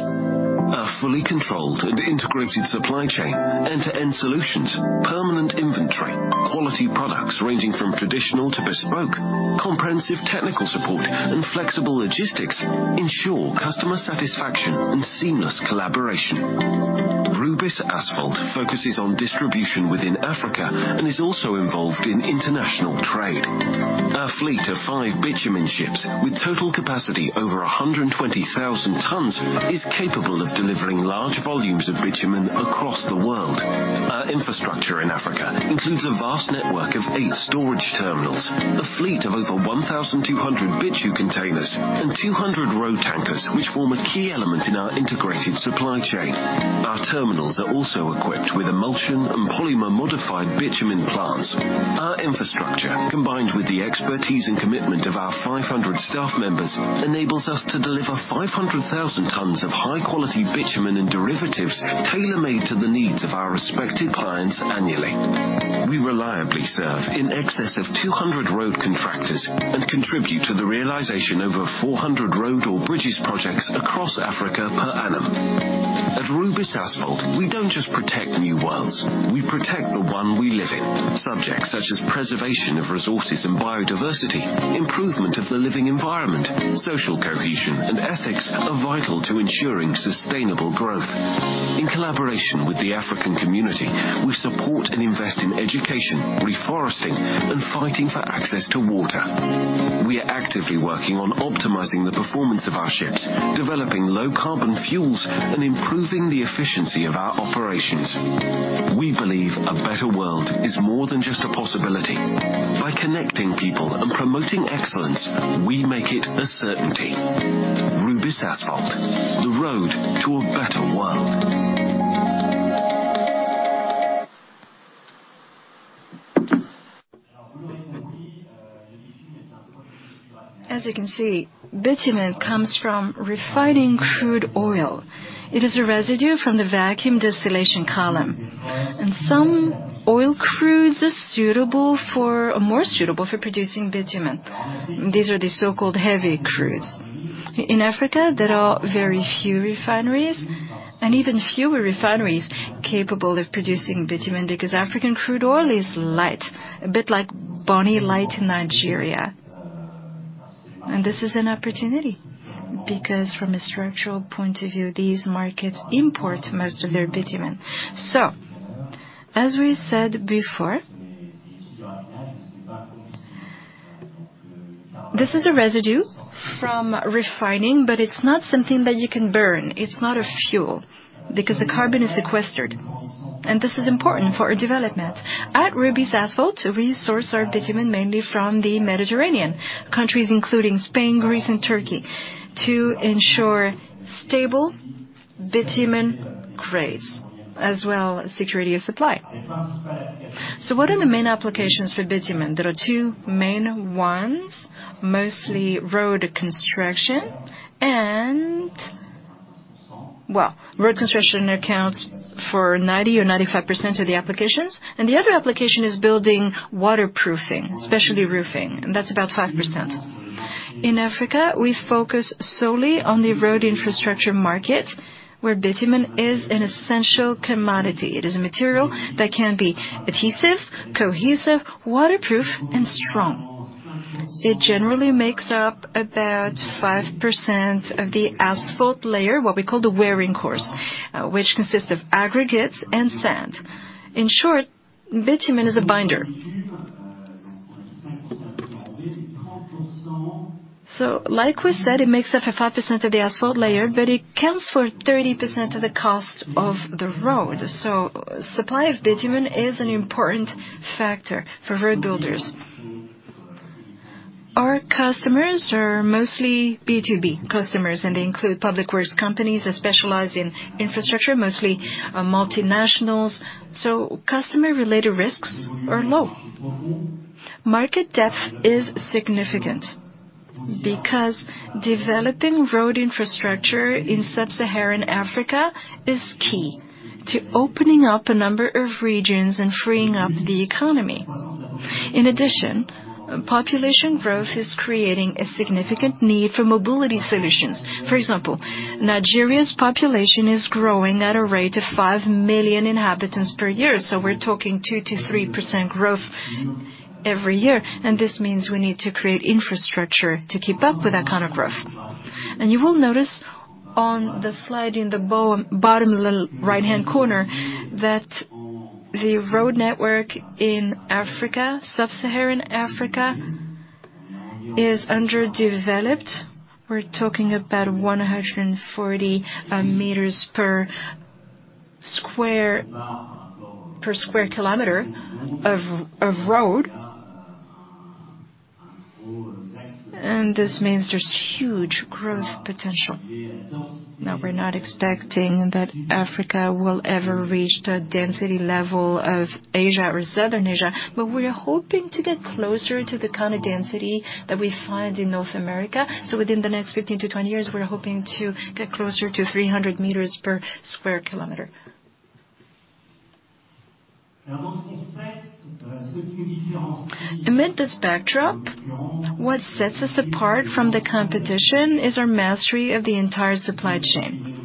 Our fully controlled and integrated supply chain, end-to-end solutions, permanent inventory, quality products ranging from traditional to bespoke, comprehensive technical support and flexible logistics ensure customer satisfaction and seamless collaboration. Rubis Asphalt focuses on distribution within Africa and is also involved in international trade. Our fleet of five bitumen ships, with total capacity over 120,000 tonnes, is capable of delivering large volumes of bitumen across the world. Our infrastructure in Africa includes a vast network of eight storage terminals, a fleet of over 1,200 bitu containers, and 200 road tankers, which form a key element in our integrated supply chain. Our terminals are also equipped with emulsion and polymer-modified bitumen plants. Our infrastructure, combined with the expertise and commitment of our 500 staff members, enables us to deliver 500,000 tonnes of high-quality bitumen and derivatives tailor-made to the needs of our respective clients annually. We reliably serve in excess of 200 road contractors and contribute to the realization of over 400 road or bridges projects across Africa per annum. At Rubis Asphalt, we don't just protect new worlds, we protect the one we live in. Subjects such as preservation of resources and biodiversity, improvement of the living environment, social cohesion, and ethics are vital to ensuring sustainable growth. In collaboration with the African community, we support and invest in education, reforesting, and fighting for access to water. We are actively working on optimizing the performance of our ships, developing low carbon fuels, and improving the efficiency of our operations. We believe a better world is more than just a possibility. By connecting people and promoting excellence, we make it a certainty. Rubis Asphalt, the road to a better world. As you can see, bitumen comes from refining crude oil. It is a residue from the vacuum distillation column. Some oil crudes are more suitable for producing bitumen. These are the so-called heavy crudes. In Africa, there are very few refineries and even fewer refineries capable of producing bitumen, because African crude oil is light, a bit like Bonny Light in Nigeria. This is an opportunity, because from a structural point of view, these markets import most of their bitumen. As we said before, this is a residue from refining, but it's not something that you can burn. It's not a fuel, because the carbon is sequestered, and this is important for our development. At Rubis Asphalt, we source our bitumen mainly from the Mediterranean, countries including Spain, Greece, and Turkey, to ensure stable bitumen grades, as well as security of supply. What are the main applications for bitumen? There are two main ones, mostly road construction and, well, road construction accounts for 90% or 95% of the applications. The other application is building waterproofing, especially roofing, and that's about 5%. In Africa, we focus solely on the road infrastructure market, where bitumen is an essential commodity. It is a material that can be adhesive, cohesive, waterproof, and strong. It generally makes up about 5% of the asphalt layer, what we call the wearing course, which consists of aggregates and sand. In short, bitumen is a binder. Like we said, it makes up for 5% of the asphalt layer, but it accounts for 30% of the cost of the road. Supply of bitumen is an important factor for road builders. Our customers are mostly B2B customers. They include public works companies that specialize in infrastructure, mostly multinationals. Customer related risks are low. Market depth is significant because developing road infrastructure in sub-Saharan Africa is key to opening up a number of regions and freeing up the economy. In addition, population growth is creating a significant need for mobility solutions. For example, Nigeria's population is growing at a rate of 5 million inhabitants per year. We're talking 2%-3% growth every year. This means we need to create infrastructure to keep up with that kind of growth. You will notice on the slide in the bottom right-hand corner that the road network in Africa, sub-Saharan Africa is underdeveloped. We're talking about 140 m/km sq of road. This means there's huge growth potential. We're not expecting that Africa will ever reach the density level of Asia or Southern Asia, but we are hoping to get closer to the kind of density that we find in North America. Within the next 15-20 years, we're hoping to get closer to 300 m/km sq. Amid this backdrop, what sets us apart from the competition is our mastery of the entire supply chain.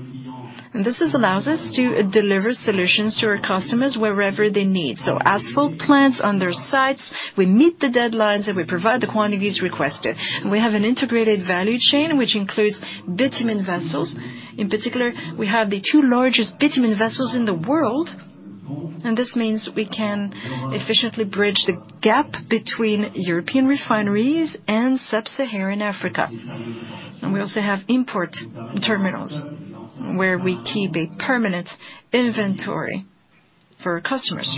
This is allows us to deliver solutions to our customers wherever they need. Asphalt plants on their sites, we meet the deadlines, and we provide the quantities requested. We have an integrated value chain, which includes bitumen vessels. In particular, we have the two largest bitumen vessels in the world, and this means we can efficiently bridge the gap between European refineries and sub-Saharan Africa. We also have import terminals where we keep a permanent inventory for our customers.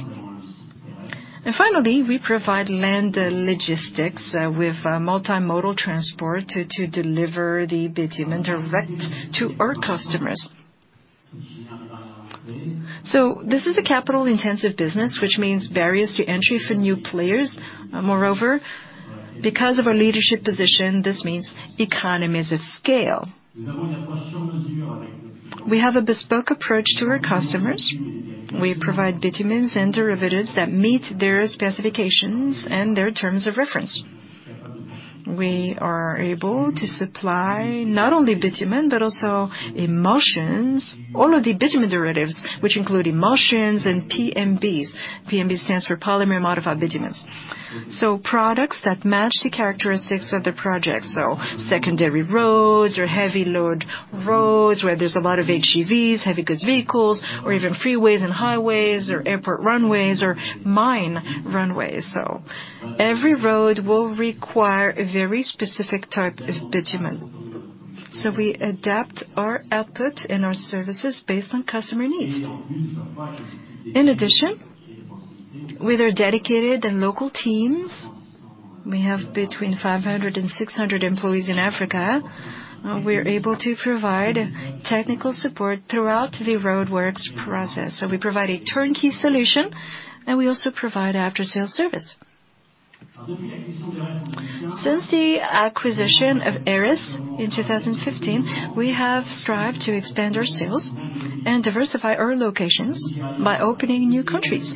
Finally, we provide land logistics with multimodal transport to deliver the bitumen direct to our customers. This is a capital-intensive business, which means barriers to entry for new players. Moreover, because of our leadership position, this means economies of scale. We have a bespoke approach to our customers. We provide bitumens and derivatives that meet their specifications and their terms of reference. We are able to supply not only bitumen, but also emulsions. All of the bitumen derivatives, which include emulsions and PMBs. PMB stands for polymer modified bitumens. Products that match the characteristics of the project, secondary roads or heavy load roads where there's a lot of HGVs, heavy goods vehicles, or even freeways and highways or airport runways or mine runways. Every road will require a very specific type of bitumen, so we adapt our output and our services based on customer needs. In addition, with our dedicated and local teams, we have between 500 and 600 employees in Africa, we're able to provide technical support throughout the roadworks process. We provide a turnkey solution, and we also provide after-sales service. Since the acquisition of ERES in 2015, we have strived to expand our sales and diversify our locations by opening new countries.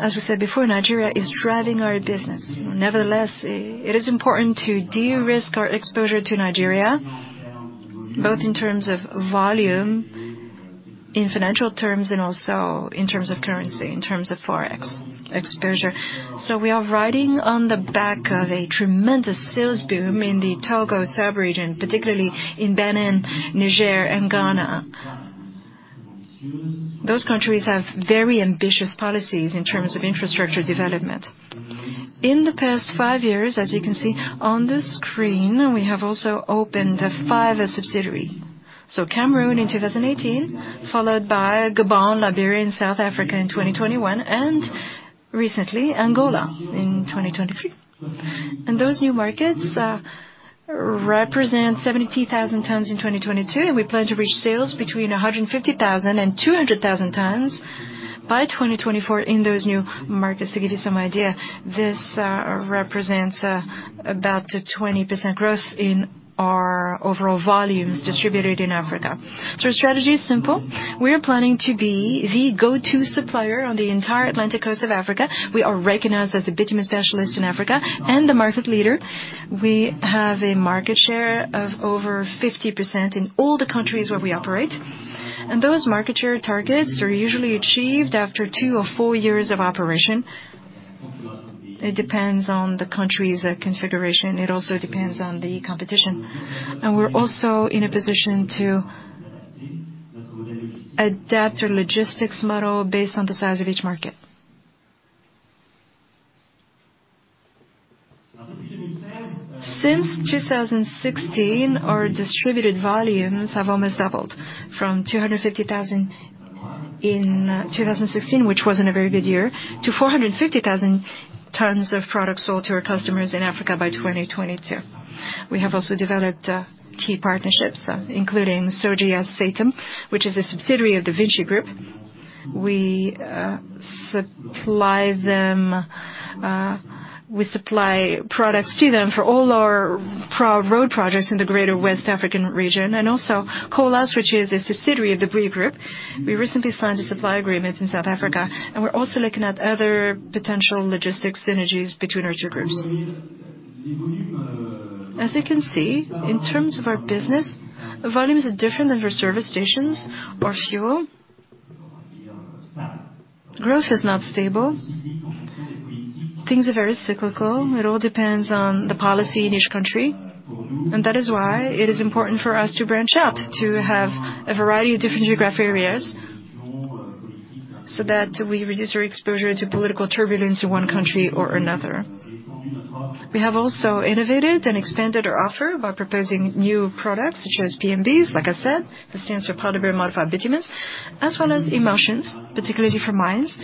As we said before, Nigeria is driving our business. Nevertheless, it is important to de-risk our exposure to Nigeria, both in terms of volume, in financial terms, and also in terms of currency, in terms of Forex exposure. We are riding on the back of a tremendous sales boom in the Togo sub-region, particularly in Benin, Niger, and Ghana. Those countries have very ambitious policies in terms of infrastructure development. In the past five years, as you can see on the screen, we have also opened five subsidiaries. Cameroon in 2018, followed by Gabon, Liberia, and South Africa in 2021, and recently Angola in 2023. Those new markets represent 72,000 tonnes in 2022, and we plan to reach sales between 150,000-200,000 tonnes by 2024 in those new markets. To give you some idea, this represents about a 20% growth in our overall volumes distributed in Africa. Our strategy is simple. We are planning to be the go-to supplier on the entire Atlantic coast of Africa. We are recognized as the bitumen specialist in Africa and the market leader. We have a market share of over 50% in all the countries where we operate. Those market share targets are usually achieved after twp or four years of operation. It depends on the country's configuration. It also depends on the competition. We're also in a position to adapt our logistics model based on the size of each market. Since 2016, our distributed volumes have almost doubled from 250,000 in 2016, which wasn't a very good year, to 450,000 tonnes of product sold to our customers in Africa by 2022. We have also developed key partnerships, including Sogea-Satom, which is a subsidiary of the VINCI Group. We supply them. We supply products to them for all our pro-road projects in the Greater West African region and also Colas, which is a subsidiary of the Bouygues Group. We recently signed a supply agreement in South Africa. We're also looking at other potential logistics synergies between our two groups. As you can see, in terms of our business, volumes are different than for service stations or fuel. Growth is not stable. Things are very cyclical. It all depends on the policy in each country, and that is why it is important for us to branch out, to have a variety of different geographic areas so that we reduce our exposure to political turbulence in one country or another. We have also innovated and expanded our offer by proposing new products such as PMBs, like I said. That stands for polymer modified bitumens, as well as emulsions, particularly for mines.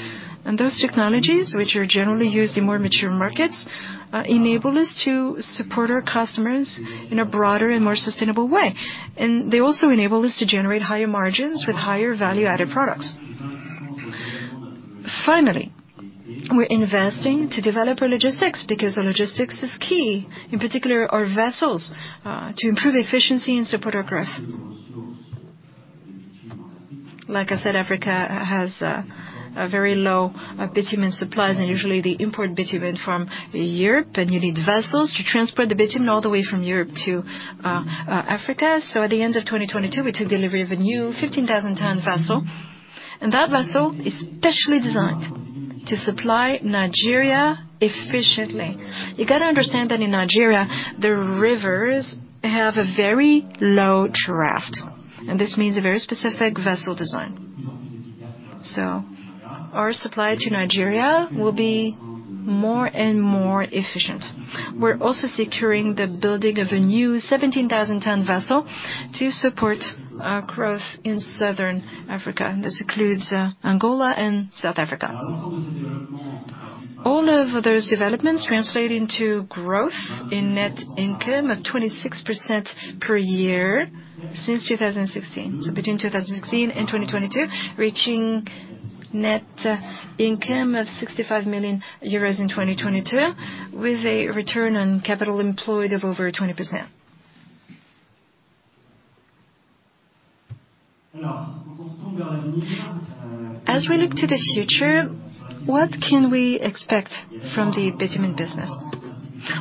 Those technologies, which are generally used in more mature markets, enable us to support our customers in a broader and more sustainable way. They also enable us to generate higher margins with higher value-added products. Finally, we're investing to develop our logistics because our logistics is key, in particular our vessels, to improve efficiency and support our growth. Like I said, Africa has a very low bitumen supply, and usually they import bitumen from Europe, and you need vessels to transport the bitumen all the way from Europe to Africa. At the end of 2022, we took delivery of a new 15,000-tonne vessel, and that vessel is specially designed to supply Nigeria efficiently. You gotta understand that in Nigeria, the rivers have a very low draft, and this means a very specific vessel design. Our supply to Nigeria will be more and more efficient. We're also securing the building of a new 17,000-tonne vessel to support our growth in southern Africa, and this includes Angola and South Africa. All of those developments translate into growth in net income of 26% per year since 2016. Between 2016 and 2022, reaching net income of 65 million euros in 2022 with a return on capital employed of over 20%. As we look to the future, what can we expect from the bitumen business?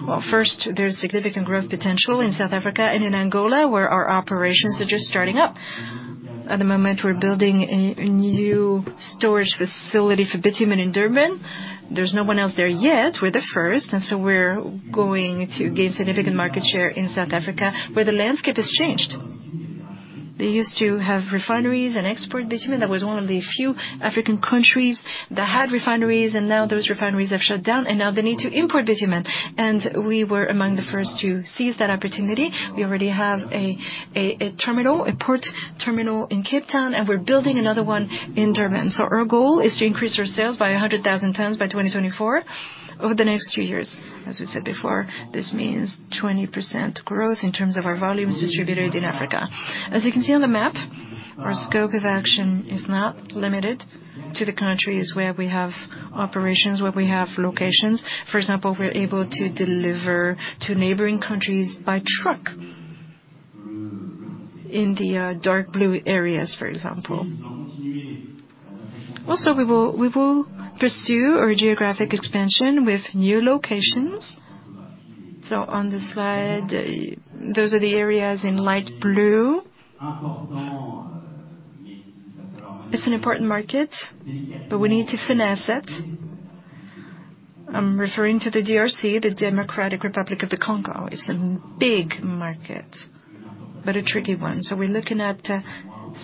Well, first, there's significant growth potential in South Africa and in Angola, where our operations are just starting up. At the moment, we're building a new storage facility for bitumen in Durban. There's no one else there yet. We're the first, and so we're going to gain significant market share in South Africa where the landscape has changed. They used to have refineries and export bitumen. That was one of the few African countries that had refineries, and now those refineries have shut down, and now they need to import bitumen. We were among the first to seize that opportunity. We already have a terminal, a port terminal in Cape Town, and we're building another one in Durban. Our goal is to increase our sales by 100,000 tonnes by 2024 over the next few years. As we said before, this means 20% growth in terms of our volumes distributed in Africa. As you can see on the map, our scope of action is not limited to the countries where we have operations, where we have locations. For example, we're able to deliver to neighboring countries by truck. In the dark blue areas, for example. Also, we will pursue our geographic expansion with new locations. On the slide, those are the areas in light blue. It's an important market, but we need to finesse it. I'm referring to the DRC, the Democratic Republic of the Congo. It's a big market, but a tricky one, so we're looking at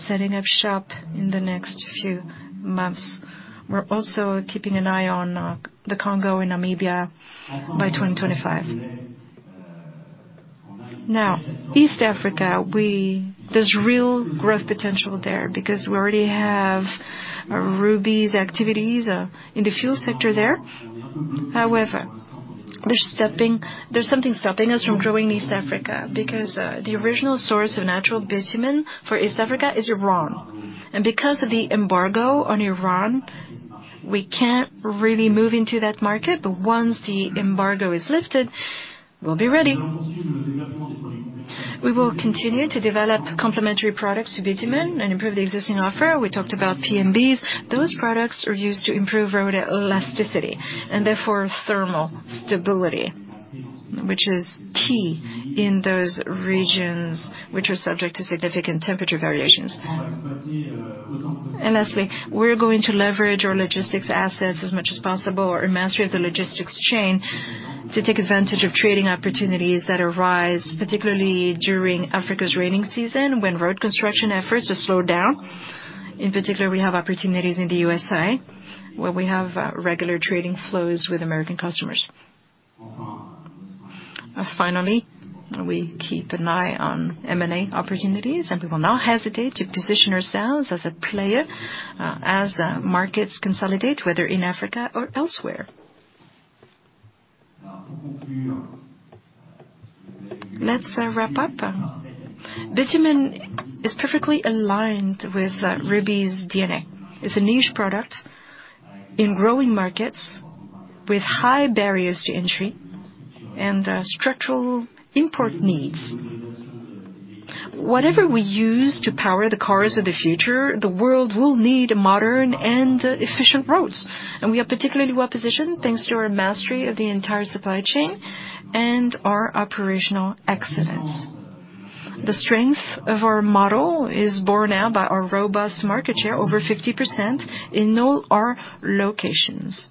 setting up shop in the next few months. We're also keeping an eye on the Congo and Namibia by 2025. East Africa. There's real growth potential there because we already have Rubis activities in the fuel sector there. However, there's stepping. There's something stopping us from growing East Africa because the original source of natural bitumen for East Africa is Iran, and because of the embargo on Iran, we can't really move into that market. Once the embargo is lifted, we'll be ready. We will continue to develop complementary products to bitumen and improve the existing offer. We talked about PMBs. Those products are used to improve road elasticity and therefore thermal stability, which is key in those regions which are subject to significant temperature variations. Lastly, we're going to leverage our logistics assets as much as possible or mastery of the logistics chain to take advantage of trading opportunities that arise, particularly during Africa's raining season when road construction efforts are slowed down. In particular, we have opportunities in the USA, where we have regular trading flows with American customers. Finally, we keep an eye on M&A opportunities, and we will not hesitate to position ourselves as a player, as markets consolidate, whether in Africa or elsewhere. Let's wrap up. Bitumen is perfectly aligned with Rubis DNA. It's a niche product in growing markets with high barriers to entry and structural import needs. Whatever we use to power the cars of the future, the world will need modern and efficient roads, and we are particularly well positioned thanks to our mastery of the entire supply chain and our operational excellence. The strength of our model is borne out by our robust market share, over 50% in all our locations.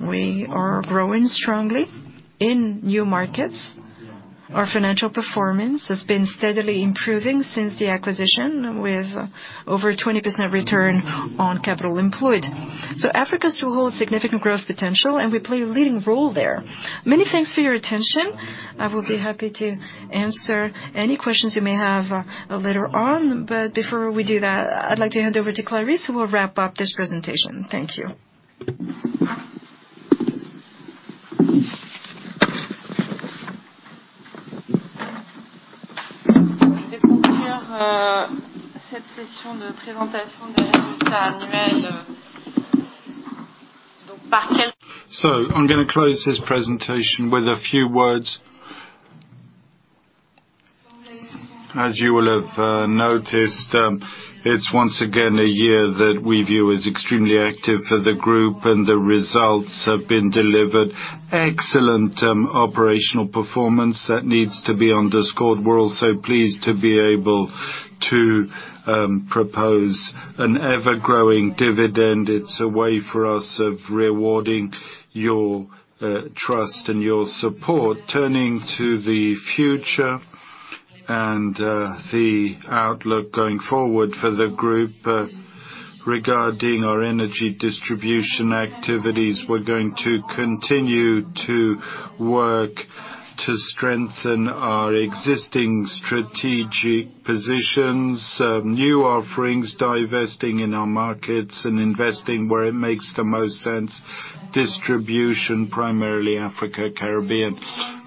We are growing strongly in new markets. Our financial performance has been steadily improving since the acquisition with over 20% return on capital employed. Africa still holds significant growth potential, and we play a leading role there. Many thanks for your attention. I will be happy to answer any questions you may have later on. Before we do that, I'd like to hand over to Clarisse, who will wrap up this presentation. Thank you. I'm gonna close this presentation with a few words. As you will have noticed, it's once again a year that we view as extremely active for the Group, and the results have been delivered. Excellent operational performance that needs to be underscored. We're also pleased to be able to propose an ever-growing dividend. It's a way for us of rewarding your trust and your support. Turning to the future and the outlook going forward for the Group, regarding our energy distribution activities, we're going to continue to work to strengthen our existing strategic positions, new offerings, divesting in our markets, and investing where it makes the most sense. Distribution, primarily Africa, Caribbean.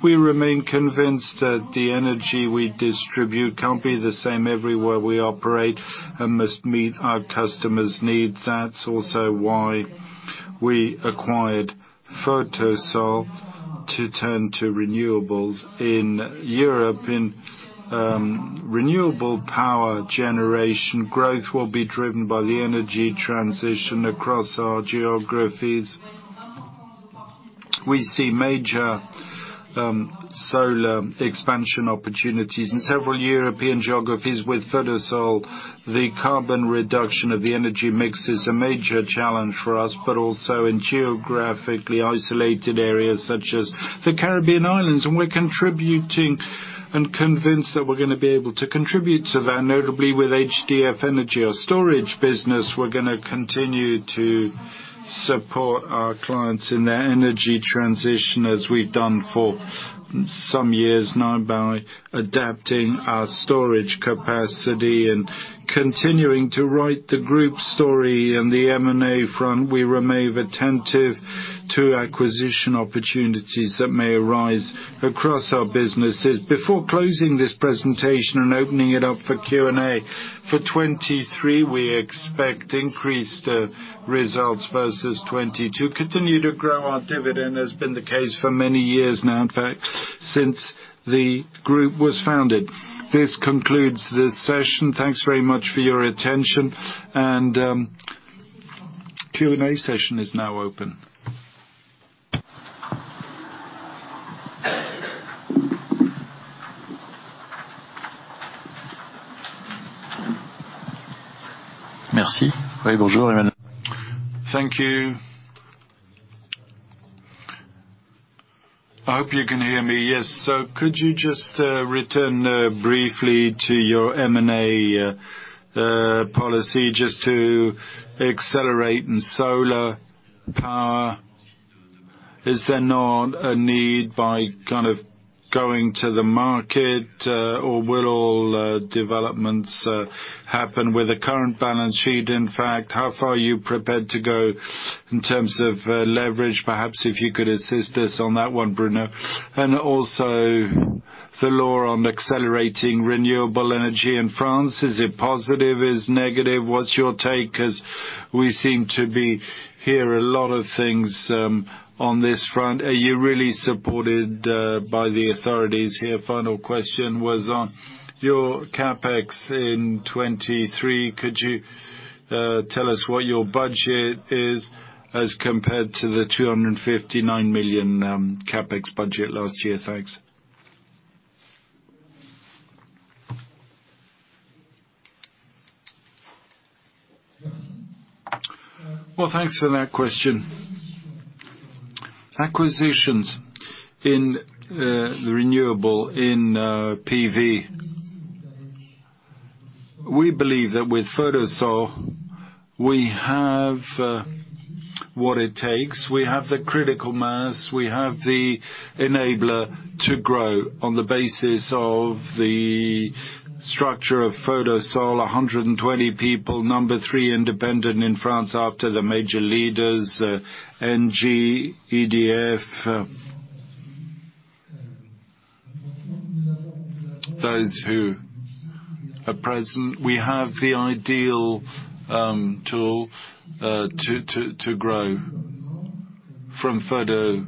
We remain convinced that the energy we distribute can't be the same everywhere we operate and must meet our customers' needs. That's also why we acquired Photosol. To turn to renewables in Europe. In renewable power generation, growth will be driven by the energy transition across our geographies. We see major solar expansion opportunities in several European geographies with Photosol. The carbon reduction of the energy mix is a major challenge for us, but also in geographically isolated areas such as the Caribbean islands. We're contributing and convinced that we're gonna be able to contribute to that, notably with HDF Energy, our storage business. We're gonna continue to support our clients in their energy transition as we've done for some years now by adapting our storage capacity and continuing to write the Group story. In the M&A front, we remain attentive to acquisition opportunities that may arise across our businesses. Before closing this presentation and opening it up for Q&A, for 2023, we expect increased results versus 2022. Continue to grow our dividend, has been the case for many years now, in fact, since the Group was founded. This concludes this session. Thanks very much for your attention and Q&A session is now open. Merci. Thank you. I hope you can hear me. Yes. Could you just return briefly to your M&A policy just to accelerate in solar power? Is there not a need by kind of going to the market, or will developments happen with the current balance sheet, in fact? How far are you prepared to go in terms of leverage? Perhaps if you could assist us on that one, Bruno. Also the law on accelerating renewable energy in France. Is it positive? Is negative? What's your take? Because we seem to hear a lot of things on this front. Are you really supported by the authorities here? Final question was on your CapEx in 2023. Could you tell us what your budget is as compared to the 259 million CapEx budget last year? Thanks. Thanks for that question. Acquisitions in the renewable in PV. We believe that with Photosol, we have what it takes. We have the critical mass, we have the enabler to grow on the basis of the structure of Photosol, 120 people, number three independent in France after the major leaders, Engie, EDF, those who are present. We have the ideal tool to grow from Photosol.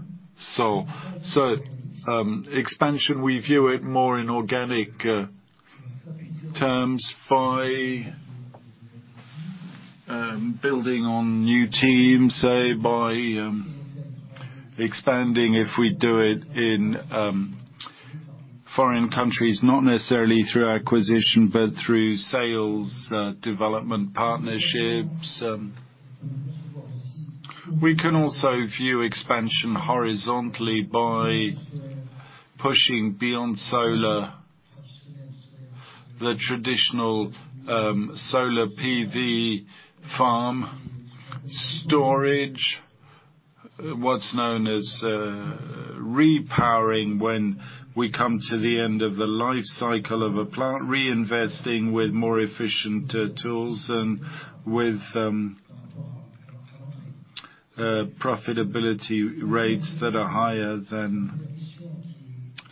Expansion, we view it more in organic terms by building on new teams, say by expanding if we do it in foreign countries, not necessarily through acquisition, but through sales development partnerships. We can also view expansion horizontally by pushing beyond solar, the traditional, solar PV farm storage, what's known as repowering when we come to the end of the life cycle of a plant, reinvesting with more efficient tools and with profitability rates that are higher than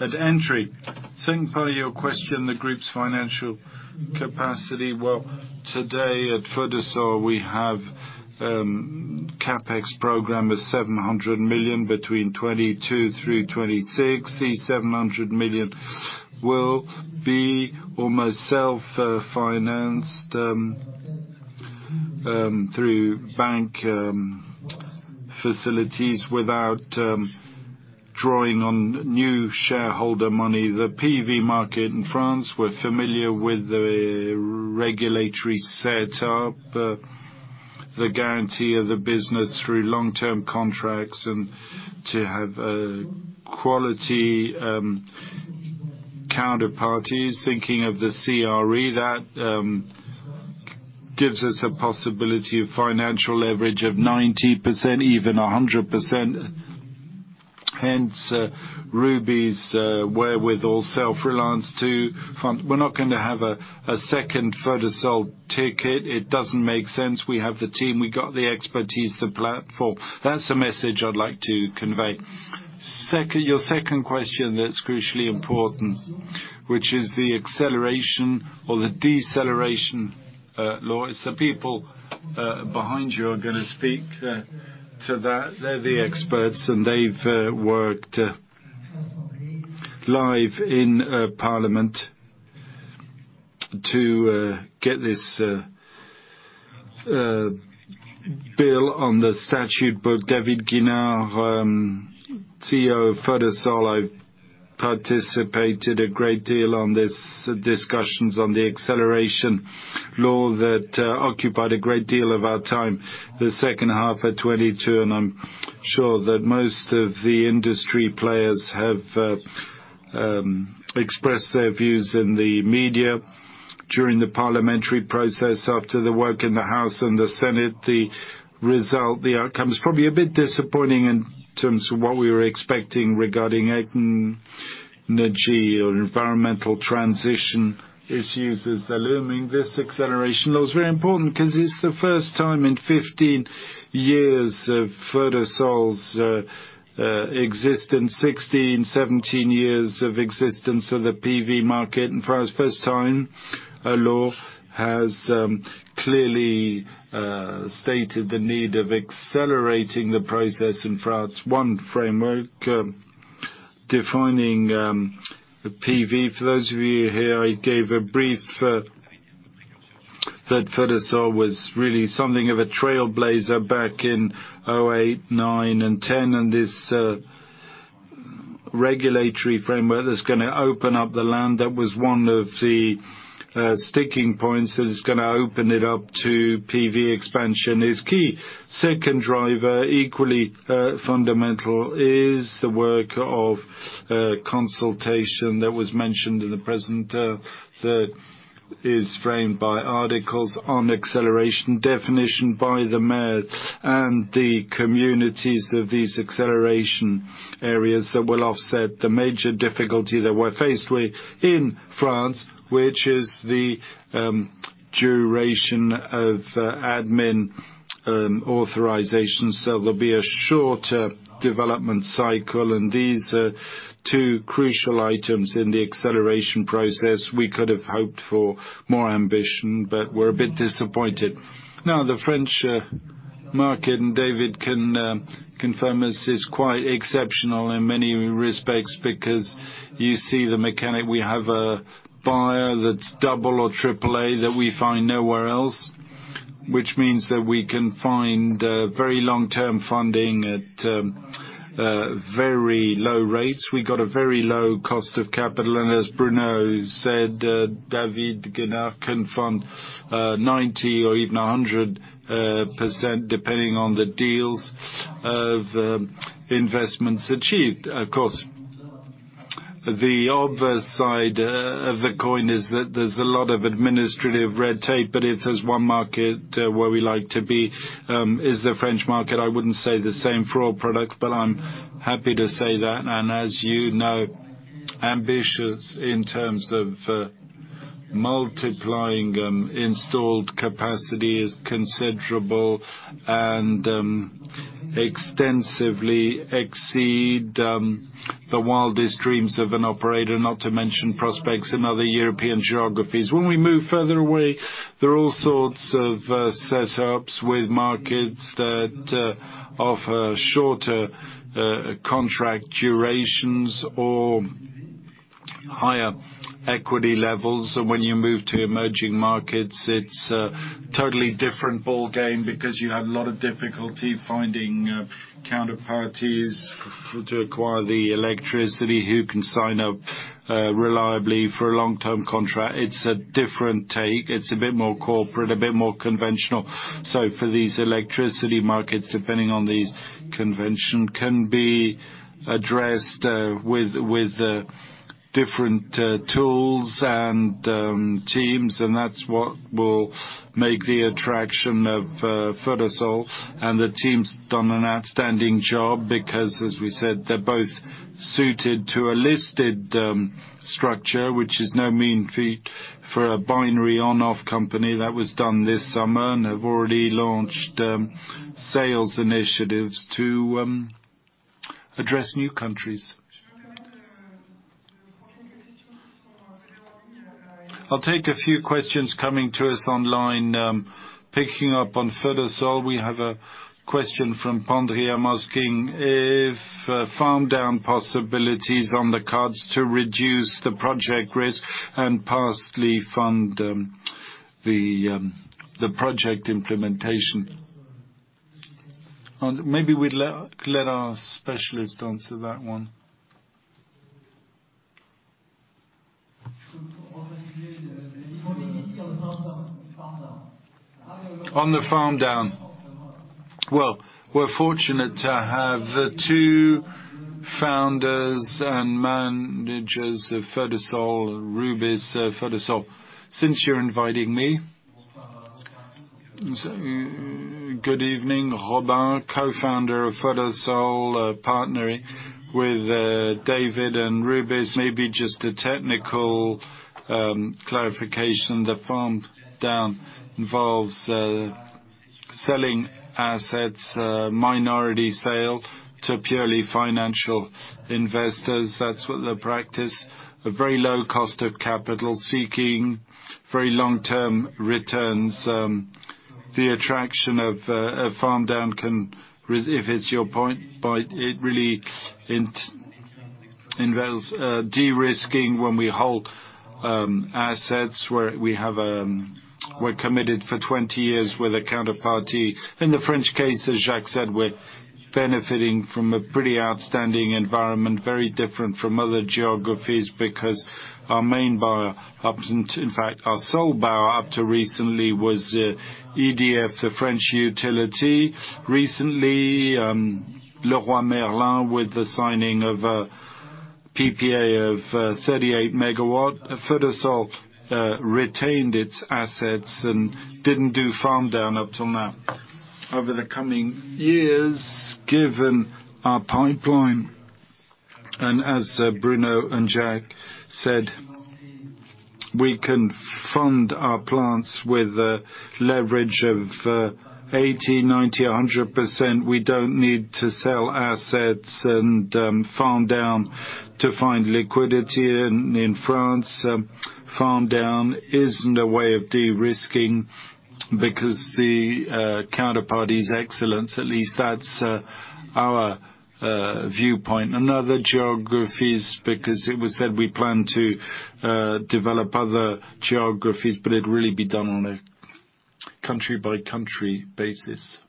at entry. Second part of your question, the Group's financial capacity. Well, today at Photosol, we have CapEx program of 700 million between 2022 through 2026. These 700 million will be almost self financed through bank facilities without drawing on new shareholder money. The PV market in France, we're familiar with the regulatory setup, the guarantee of the business through long-term contracts and to have quality counterparties thinking of the CRE that gives us a possibility of financial leverage of 90%, even 100%. Hence, Rubis' wherewithal self-reliance to fund. We're not gonna have a second Photosol ticket. It doesn't make sense. We have the team, we got the expertise, the platform. That's the message I'd like to convey. Second, your second question that's crucially important, which is the acceleration or the deceleration law. It's the people behind you are gonna speak to that. They're the experts, and they've worked live in parliament to get this bill on the statute book. David Guinard, CEO of Photosol, I participated a great deal on these discussions on the acceleration law that occupied a great deal of our time the second half of 2022. I'm sure that most of the industry players have expressed their views in the media during the parliamentary process after the work in the House and the Senate. The result, the outcome is probably a bit disappointing in terms of what we were expecting regarding energy or environmental transition issues as they're looming. This acceleration law is very important 'cause it's the first time in 15 years of Photosol's existence, 16, 17 years of existence of the PV market. For the first time, a law has clearly stated the need of accelerating the process in France. One framework defining the PV. For those of you here, I gave a brief, that Photosol was really something of a trailblazer back in 2008, 2009, and 2010, and this regulatory framework that's gonna open up the land, that was one of the sticking points, that it's gonna open it up to PV expansion is key. Second driver, equally, fundamental is the work of consultation that was mentioned in the present, that is framed by articles on acceleration definition by the mayor and the communities of these acceleration areas that will offset the major difficulty that we're faced with in France, which is the duration of admin authorization. So there'll be a shorter development cycle. These are two crucial items in the acceleration process. We could have hoped for more ambition, but we're a bit disappointed. The French market, and David can confirm this, is quite exceptional in many respects because you see the mechanic. We have a buyer that's AA or AAA that we find nowhere else, which means that we can find very long-term funding at very low rates. We got a very low cost of capital, as Bruno said, David Guinard can fund 90% or even 100% depending on the deals of investments achieved. The other side of the coin is that there's a lot of administrative red tape, but it is one market where we like to be, is the French market. I wouldn't say the same for all products, but I'm happy to say that. As you know, ambitious in terms of multiplying installed capacity is considerable and extensively exceed the wildest dreams of an operator, not to mention prospects in other European geographies. When we move further away, there are all sorts of setups with markets that offer shorter contract durations or higher equity levels. When you move to emerging markets, it's a totally different ballgame because you have a lot of difficulty finding counterparties to acquire the electricity who can sign up reliably for a long-term contract. It's a different take. It's a bit more corporate, a bit more conventional. For these electricity markets, depending on these convention, can be addressed with different tools and teams, and that's what will make the attraction of Photosol. The team's done an outstanding job because, as we said, they're both suited to a listed structure, which is no mean feat for a binary on/off company. That was done this summer, they've already launched sales initiatives to address new countries. I'll take a few questions coming to us online. Picking up on Photosol, we have a question from Candriam asking if farm-down possibilities on the cards to reduce the project risk and partially fund the project implementation. Maybe we let our specialist answer that one. On the farm-down. Well, we're fortunate to have the two founders and managers of Photosol, Rubis Photosol. Since you're inviting me. Good evening. Robin, co-founder of Photosol, partnering with David and Rubis. Maybe just a technical clarification. The farm down involves selling assets, minority sale to purely financial investors. That's what they practice. A very low cost of capital seeking very long-term returns. The attraction of a farm down can if it's your point, but it really involves de-risking when we halt assets where we have. We're committed for 20 years with a counterparty. In the French case, as Jacques said, we're benefiting from a pretty outstanding environment, very different from other geographies because our main buyer up until, in fact, our sole buyer up to recently was EDF, the French utility. Recently, Leroy Merlin with the signing of a PPA of 38 MW, Photosol retained its assets and didn't do farm down up till now. Over the coming years, given our pipeline, as Bruno and Jacques said, we can fund our plants with a leverage of 80%, 90%, 100%. We don't need to sell assets and farm down to find liquidity in France. Farm down isn't a way of de-risking because the counterparty's excellence, at least that's our viewpoint. In other geographies, because it was said we plan to develop other geographies, it'd really be done on a country-by-country basis.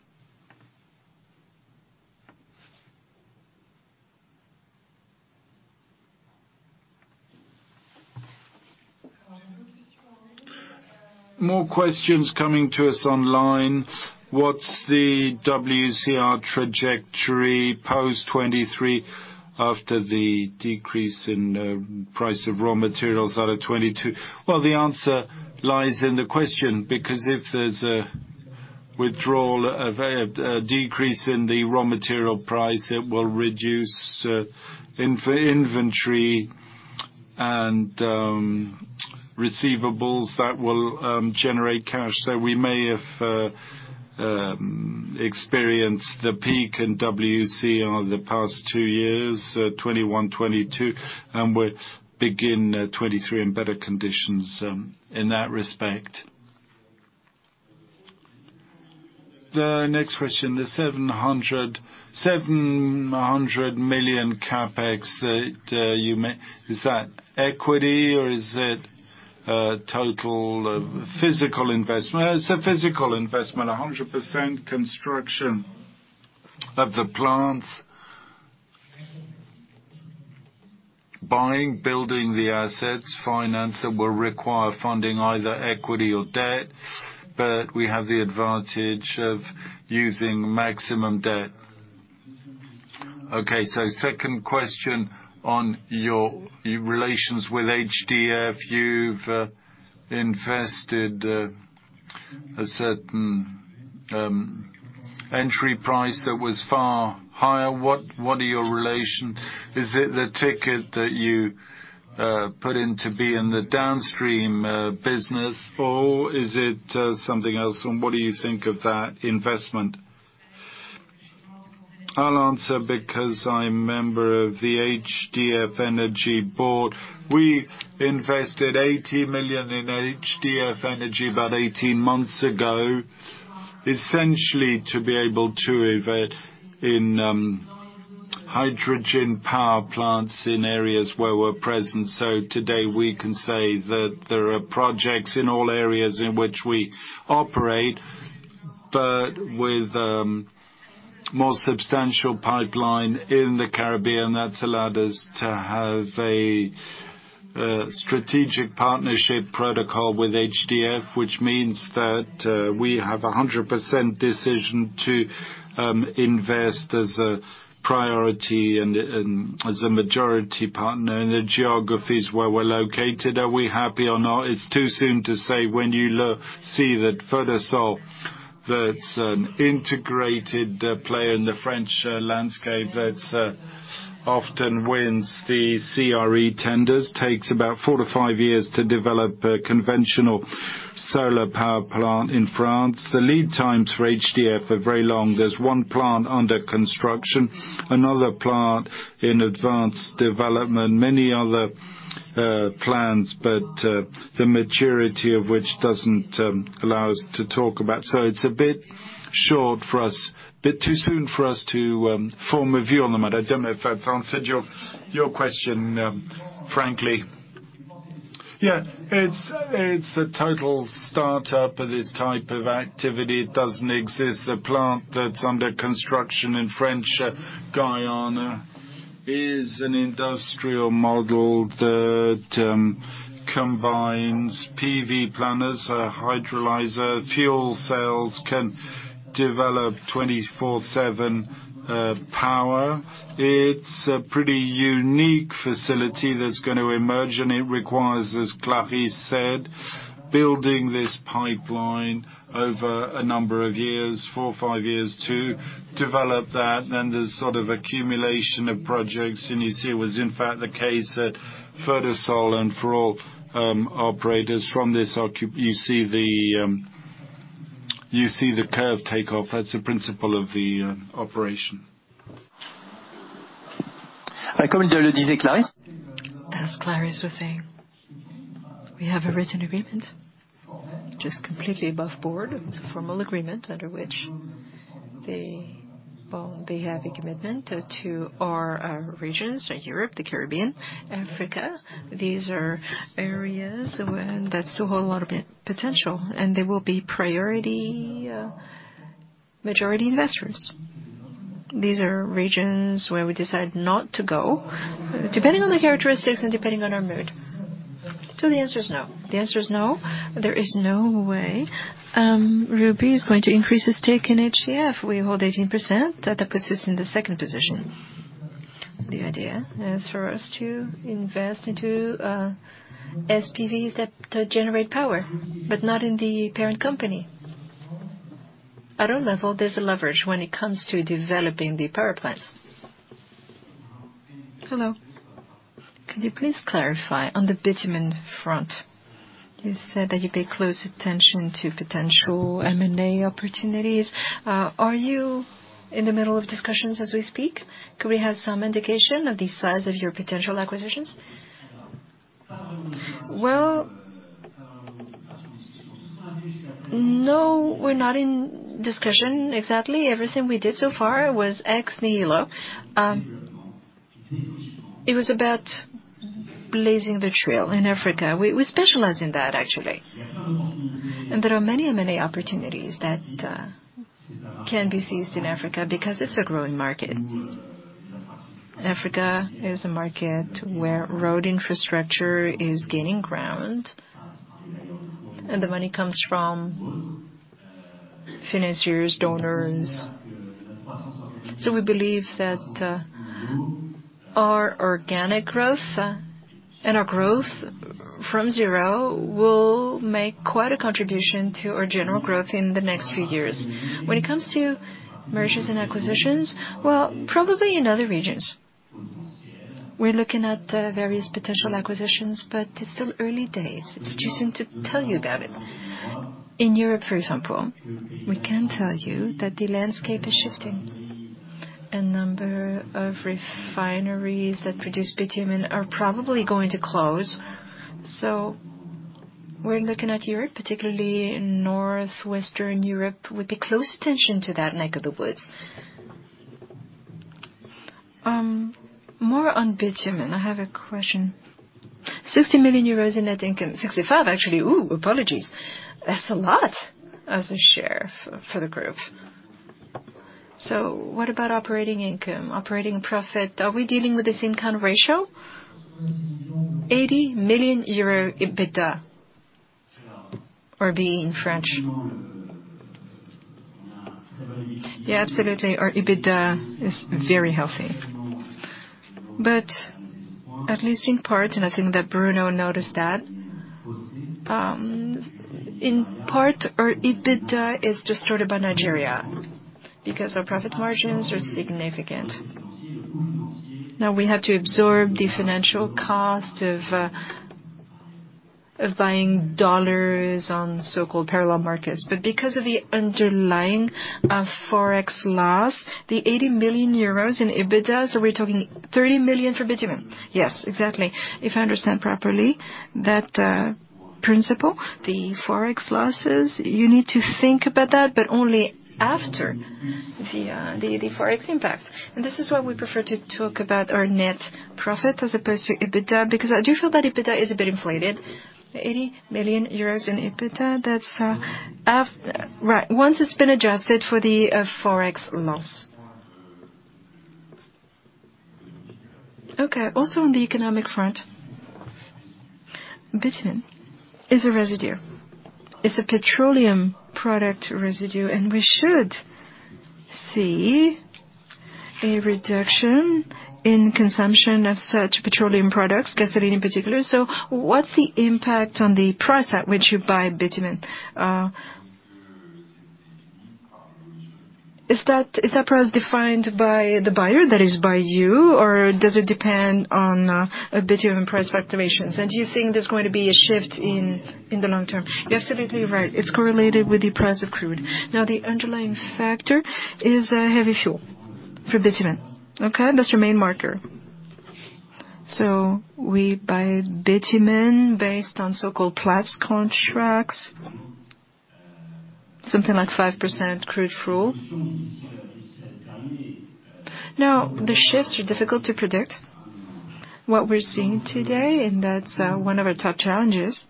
More questions coming to us online. What's the WCR trajectory post 2023 after the decrease in price of raw materials out of 2022? Well, the answer lies in the question because if there's a withdrawal a decrease in the raw material price, it will reduce inventory and receivables that will generate cash. We may have experienced the peak in WCR over the past tow years, 2021, 2022, and we'll begin 2023 in better conditions in that respect. The next question, the 700 million CapEx. Is that equity or is it total physical investment? It's a physical investment, 100% construction of the plants. Buying, building the assets, finance that will require funding either equity or debt, but we have the advantage of using maximum debt. Okay. Second question on your relations with HDF. You've invested a certain entry price that was far higher. What are your relation? Is it the ticket that you put in to be in the downstream business, or is it something else? What do you think of that investment? I'll answer because I'm member of the HDF Energy Board. We invested 80 million in HDF Energy about 18 months ago, essentially to be able to invest in hydrogen power plants in areas where we're present. Today we can say that there are projects in all areas in which we operate, but with more substantial pipeline in the Caribbean. That's allowed us to have a strategic partnership protocol with HDF, which means that we have a 100% decision to invest as a priority and as a majority partner in the geographies where we're located. Are we happy or not? It's too soon to say when you see that Photosol, that's an integrated player in the French landscape that often wins the CRE tenders, takes about four to five years to develop a conventional solar power plant in France. The lead times for HDF are very long. There's one plant under construction, another plant in advanced development, many other plans, but the maturity of which doesn't allow us to talk about. It's a bit short for us, a bit too soon for us to form a view on the matter. I don't know if that's answered your question, frankly. Yeah. It's a total startup of this type of activity. It doesn't exist. The plant that's under construction in French Guiana is an industrial model that combines PV planners, a hydrolyzer, fuel cells, can develop 24/7 power. It's a pretty unique facility that's gonna emerge, and it requires, as Clarisse said, building this pipeline over a number of years, four or five years to develop that and this sort of accumulation of projects. You see it was in fact the case that Photosol and for all, operators from this you see the curve take off. That's the principle of the operation. As Clarisse was saying, we have a written agreement. Just completely above board, it's a formal agreement under which they have a commitment to our regions, so Europe, the Caribbean, Africa. These are areas where that's a whole lot of potential, they will be priority majority investors. These are regions where we decide not to go, depending on the characteristics and depending on our mood. The answer is no. The answer is no. There is no way Rubis is going to increase its stake in HDF. We hold 18%. That puts us in the second position. The idea is for us to invest into SPVs that generate power, but not in the parent company. I don't know if there's a leverage when it comes to developing the power plants. Hello. Could you please clarify on the bitumen front, you said that you pay close attention to potential M&A opportunities. Are you in the middle of discussions as we speak? Could we have some indication of the size of your potential acquisitions? Well, no, we're not in discussion exactly. Everything we did so far was ex nihilo. It was about blazing the trail in Africa. We specialize in that, actually. There are many, many opportunities that can be seized in Africa because it's a growing market. Africa is a market where road infrastructure is gaining ground, and the money comes from financiers, donors. We believe that our organic growth and our growth from zero will make quite a contribution to our general growth in the next few years. When it comes to mergers and acquisitions, well, probably in other regions. We're looking at various potential acquisitions. It's still early days. It's too soon to tell you about it. In Europe, for example, we can tell you that the landscape is shifting. A number of refineries that produce bitumen are probably going to close. We're looking at Europe, particularly in northwestern Europe, with a close attention to that neck of the woods. More on bitumen, I have a question. 60 million euros in net income. 65 million, actually. Apologies. That's a lot as a share for the Group. What about operating income, operating profit? Are we dealing with the same kind of ratio? EUR 80 million EBITDA, or B in French. Yeah, absolutely. Our EBITDA is very healthy. At least in part, and I think that Bruno noticed that, in part, our EBITDA is distorted by Nigeria because our profit margins are significant. Now we have to absorb the financial cost of buying dollars on so-called parallel markets. Because of the underlying Forex loss, the 80 million euros in EBITDA, we're talking 30 million for bitumen. Yes, exactly. If I understand properly, that principle, the Forex losses, you need to think about that only after the Forex impact. This is why we prefer to talk about our net profit as opposed to EBITDA, because I do feel that EBITDA is a bit inflated. The 80 million euros in EBITDA, that's right. Once it's been adjusted for the Forex loss. Okay. Also on the economic front, bitumen is a residue. It's a petroleum product residue, we should see a reduction in consumption of such petroleum products, gasoline in particular. What's the impact on the price at which you buy bitumen? Is that price defined by the buyer, that is by you? Does it depend on a bitumen price fluctuations? Do you think there's going to be a shift in the long term? You're absolutely right. It's correlated with the price of crude. The underlying factor is heavy fuel for bitumen. Okay? That's your main marker. We buy bitumen based on so-called Platts contracts, something like 5% crude rule. The shifts are difficult to predict. What we're seeing today, one of our top challenges,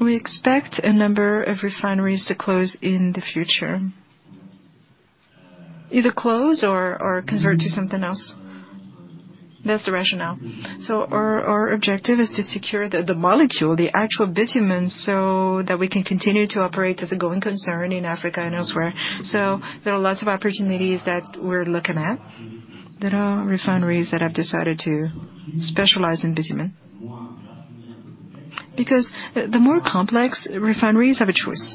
we expect a number of refineries to close in the future. Either close or convert to something else. That's the rationale. Our objective is to secure the molecule, the actual bitumen, so that we can continue to operate as a going concern in Africa and elsewhere. There are lots of opportunities that we're looking at. There are refineries that have decided to specialize in bitumen. The more complex refineries have a choice.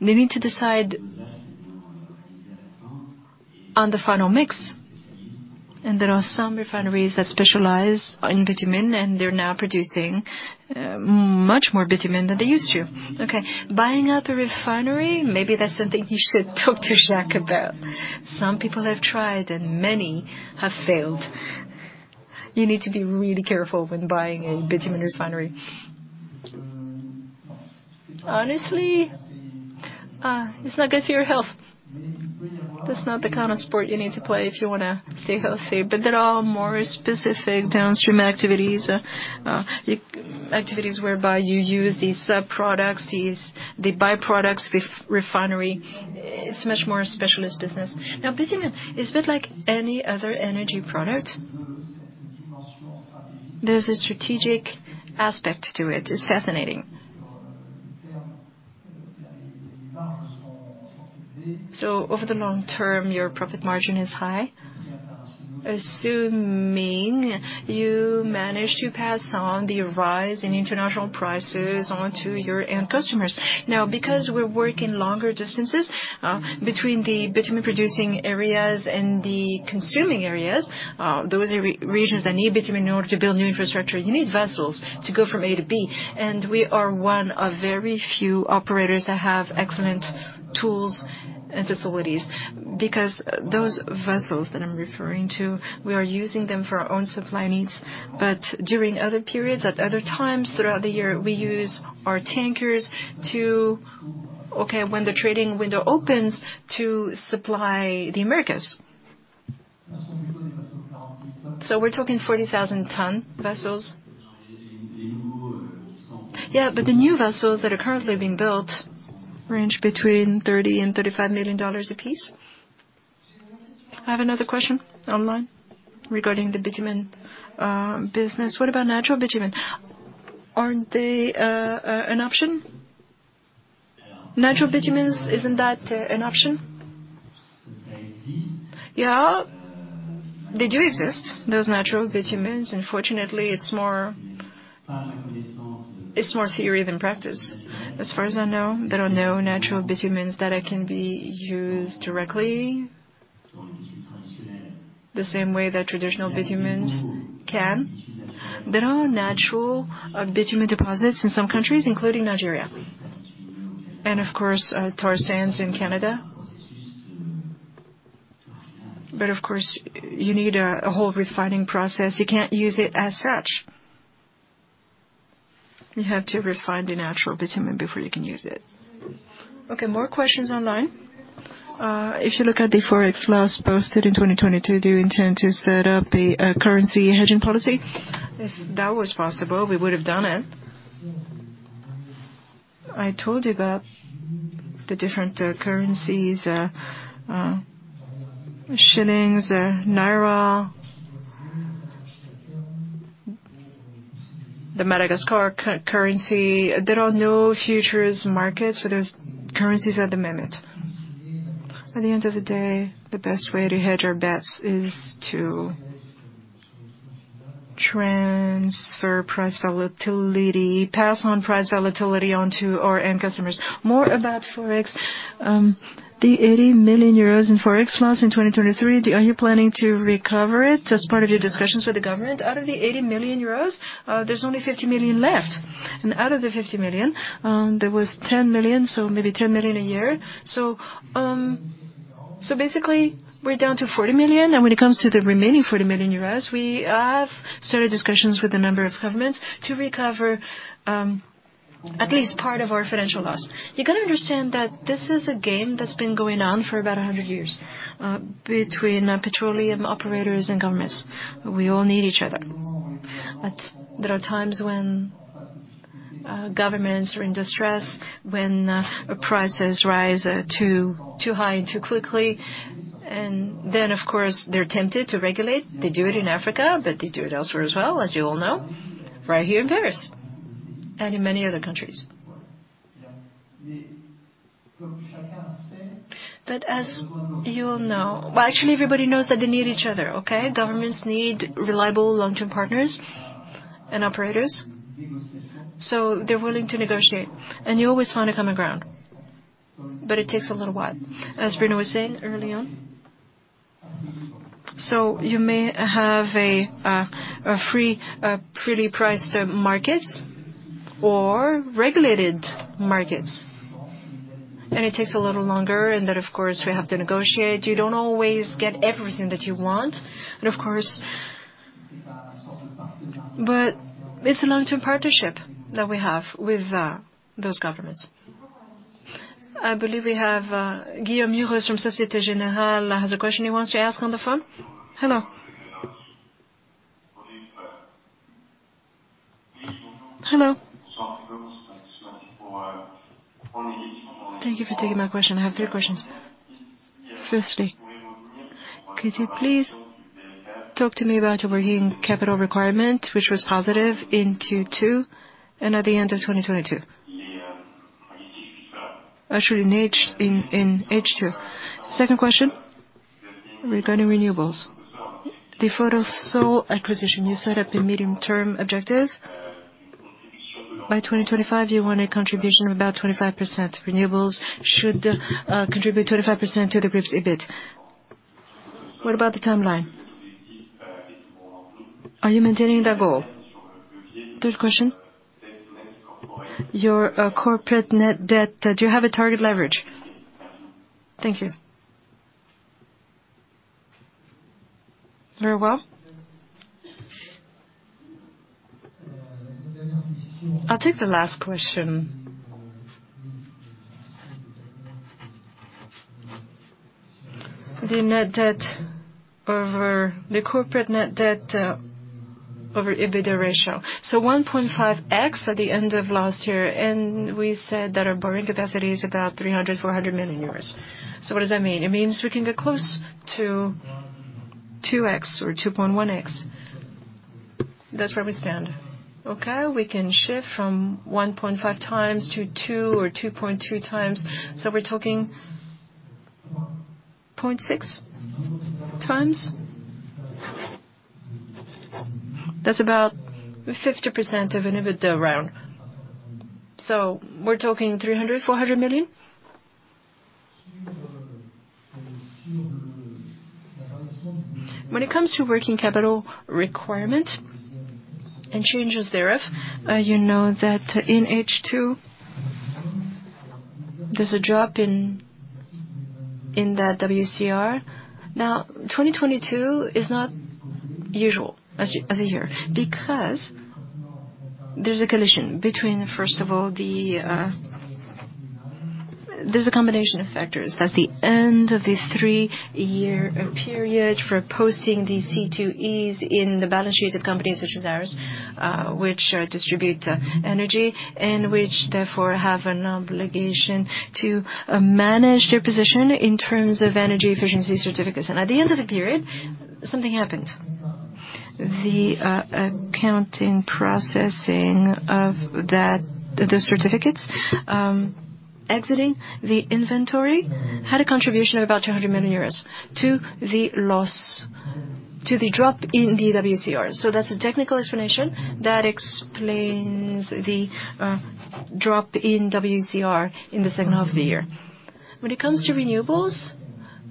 They need to decide on the final mix. There are some refineries that specialize in bitumen, and they're now producing much more bitumen than they used to. Okay. Buying out the refinery, maybe that's something you should talk to Jacques about. Some people have tried, and many have failed. You need to be really careful when buying a bitumen refinery. Honestly, it's not good for your health. That's not the kind of sport you need to play if you wanna stay healthy. There are more specific downstream activities whereby you use these sub-products, these. The by-products refinery. It's much more a specialist business. Bitumen, it's a bit like any other energy product. There's a strategic aspect to it. It's fascinating. Over the long term, your profit margin is high, assuming you manage to pass on the rise in international prices onto your end customers. Because we're working longer distances, between the bitumen-producing areas and the consuming areas, those regions that need bitumen in order to build new infrastructure, you need vessels to go from A to B. We are one of very few operators that have excellent tools and facilities. Those vessels that I'm referring to, we are using them for our own supply needs. During other periods, at other times throughout the year, we use our tankers to, okay, when the trading window opens, to supply the Americas. We're talking 40,000 tonne vessels. The new vessels that are currently being built range between $30 million-$35 million apiece. I have another question online regarding the bitumen business. What about natural bitumen? Aren't they an option? Natural bitumens, isn't that an option? They do exist, those natural bitumens. Unfortunately, it's more, it's more theory than practice. As far as I know, there are no natural bitumens that can be used directly the same way that traditional bitumens can. There are natural bitumen deposits in some countries, including Nigeria and of course, tar sands in Canada. Of course, you need a whole refining process. You can't use it as such. You have to refine the natural bitumen before you can use it. Okay, more questions online. If you look at the Forex loss posted in 2022, do you intend to set up a currency hedging policy? If that was possible, we would have done it. I told you about the different currencies, shillings, naira, the Madagascar currency. There are no futures markets for those currencies at the moment. At the end of the day, the best way to hedge our bets is to transfer price volatility, pass on price volatility onto our end customers. More about Forex. The 80 million euros in Forex loss in 2023, are you planning to recover it as part of your discussions with the government? Out of the 80 million euros, there's only 50 million left. Out of the 50 million, there was 10 million, so maybe 10 million a year. Basically we're down to 40 million. When it comes to the remaining 40 million euros, we have started discussions with a number of governments to recover at least part of our financial loss. You gotta understand that this is a game that's been going on for about 100 years between petroleum operators and governments. We all need each other. There are times when governments are in distress when prices rise too high and too quickly. Of course, they're tempted to regulate. They do it in Africa, but they do it elsewhere as well, as you all know, right here in Paris and in many other countries. As you all know. Well, actually everybody knows that they need each other, okay? Governments need reliable long-term partners and operators, so they're willing to negotiate, and you always find a common ground. It takes a little while, as Bruno was saying early on. You may have a free freely priced markets or regulated markets. It takes a little longer, of course, we have to negotiate. You don't always get everything that you want. It's a long-term partnership that we have with those governments. I believe we have Guillaume Muros from Société Générale has a question he wants to ask on the phone. Hello? Hello? Thank you for taking my question. I have three questions. Firstly, could you please talk to me about your working capital requirement, which was positive in Q2 and at the end of 2022? Actually in H2. Second question regarding renewables. The Photosol acquisition, you set up a medium-term objective by 2025, you want a contribution of about 25%. Renewables should contribute 25% to the Group's EBIT. What about the timeline? Are you maintaining that goal? Third question. Your corporate net debt. Do you have a target leverage? Thank you. Very well. I'll take the last question. The net debt over. The corporate net debt over EBITDA ratio. 1.5x at the end of last year, and we said that our borrowing capacity is about 300 million-400 million euros. What does that mean? It means we can get close to 2x or 2.1x. That's where we stand. Okay. We can shift from 1.5x to 2x or 2.2x. We're talking 0.6x. That's about 50% of an EBITDA round. We're talking 300 million, EUR 400 million. When it comes to working capital requirement and changes thereof, you know that in H2 there's a drop in that WCR. 2022 is not usual as a year because there's a collision between, first of all, the combination of factors. That's the end of the three-year period for posting these C2Es in the balance sheets of companies such as ours, which distribute energy and which, therefore, have an obligation to manage their position in terms of energy efficiency certificates. At the end of the period, something happened. The accounting processing of that, the certificates, exiting the inventory had a contribution of about 200 million euros to the loss, to the drop in the WCR. That's a technical explanation that explains the drop in WCR in the second half of the year. When it comes to renewables,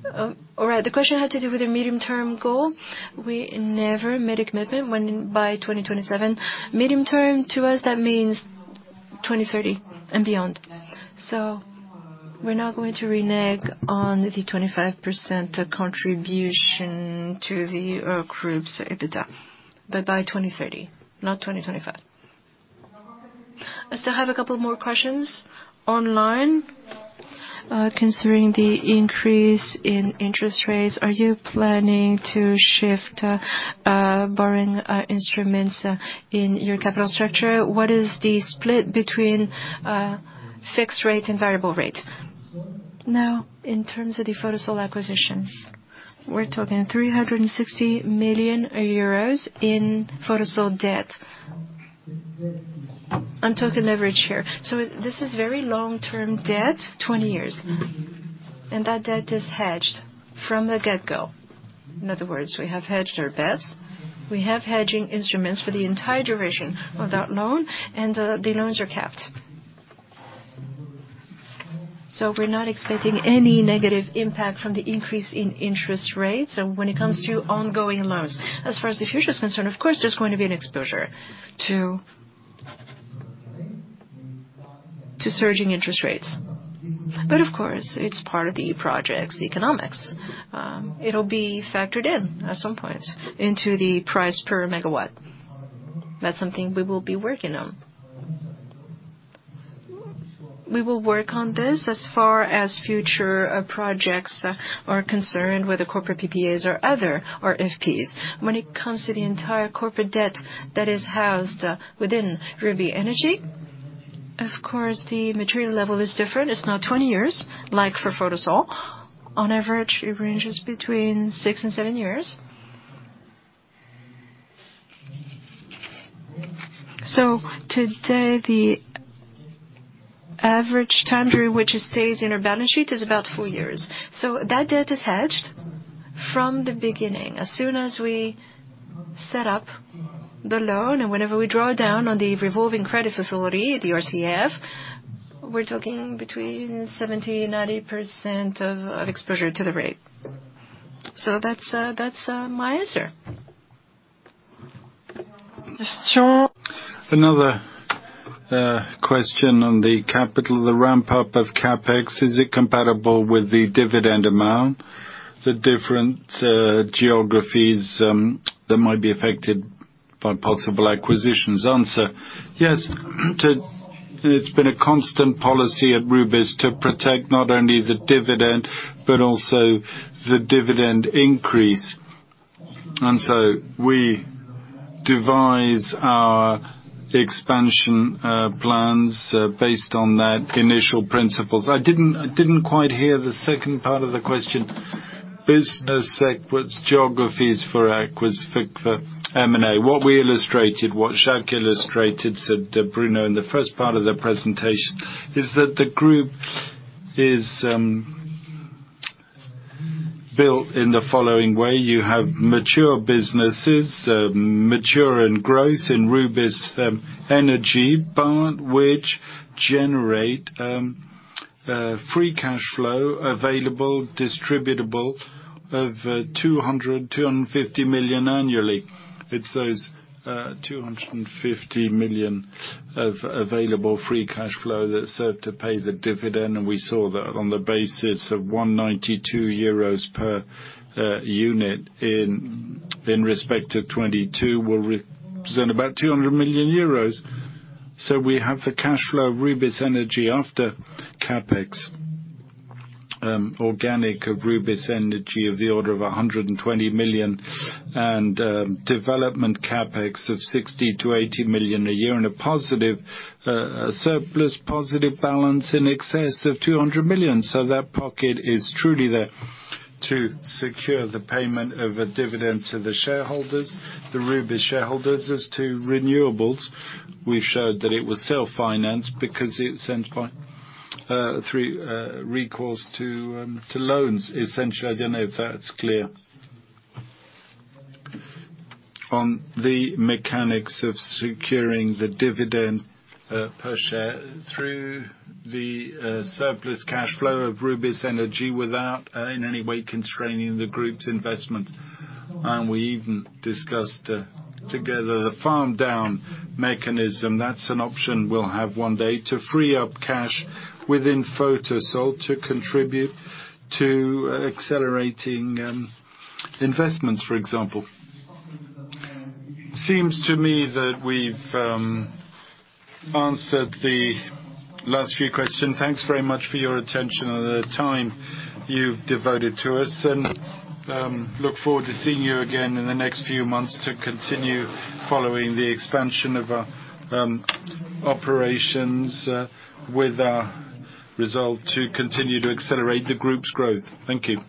the question had to do with the medium-term goal. We never made a commitment when by 2027. Medium-term, to us, that means 2030 and beyond. We're not going to renege on the 25% contribution to the Group's EBITDA, but by 2030, not 2025. I still have a couple more questions online. Considering the increase in interest rates, are you planning to shift borrowing instruments in your capital structure? What is the split between fixed rate and variable rate? Now, in terms of the Photosol acquisitions, we're talking 360 million euros in Photosol debt. I'm talking leverage here. This is very long-term debt, 20 years. That debt is hedged from the get-go. In other words, we have hedged our bets. We have hedging instruments for the entire duration of that loan, and the loans are capped. We're not expecting any negative impact from the increase in interest rates when it comes to ongoing loans. As far as the future is concerned, of course, there's going to be an exposure to surging interest rates. Of course, it's part of the project's economics. It'll be factored in at some point into the price per megawatt. That's something we will be working on. We will work on this as far as future projects are concerned with the corporate PPAs or other RFPs. When it comes to the entire corporate debt that is housed within Rubis Énergie, of course, the material level is different. It's now 20 years, like for Photosol. On average, it ranges between six and seven years. Today, the average time during which it stays in our balance sheet is about four years. That debt is hedged from the beginning. As soon as we set up the loan and whenever we draw down on the revolving credit facility, the RCF, we're talking between 70%, 90% exposure to the rate. That's my answer. Mr. Hall? Another question on the capital, the ramp-up of CapEx. Is it compatible with the dividend amount, the different geographies that might be affected by possible acquisitions? Answer. Yes. It's been a constant policy at Rubis to protect not only the dividend, but also the dividend increase. We devise our expansion plans based on that initial principles. I didn't quite hear the second part of the question. Business seg, what's geographies for M&A? What we illustrated, what Jacques illustrated, said Bruno in the first part of the presentation, is that the Group is built in the following way. You have mature businesses, mature in growth in Rubis Énergie part, which generate free cashflow available, distributable of 200 million, 250 million annually. It's those 250 million of available free cashflow that serve to pay the dividend, and we saw that on the basis of 1.92 euros per unit in respect to 2022 will represent about 200 million euros. We have the cashflow of Rubis Énergie after CapEx, organic of Rubis Énergie of the order of 120 million and, development CapEx of 60 million-80 million a year in a positive, surplus positive balance in excess of 200 million. That pocket is truly there to secure the payment of a dividend to the shareholders, the Rubis shareholders. As to renewables, we showed that it was self-financed because it's ends by, through, recourse to loans, essentially. I don't know if that's clear. On the mechanics of securing the dividend per share through the surplus cash flow of Rubis Énergie without in any way constraining the Group's investment. We even discussed together the farm-down mechanism. That's an option we'll have one day to free up cash within Photosol to contribute to accelerating investments, for example. Seems to me that we've answered the last few question. Thanks very much for your attention and the time you've devoted to us. Look forward to seeing you again in the next few months to continue following the expansion of our operations with our result to continue to accelerate the Group's growth. Thank you.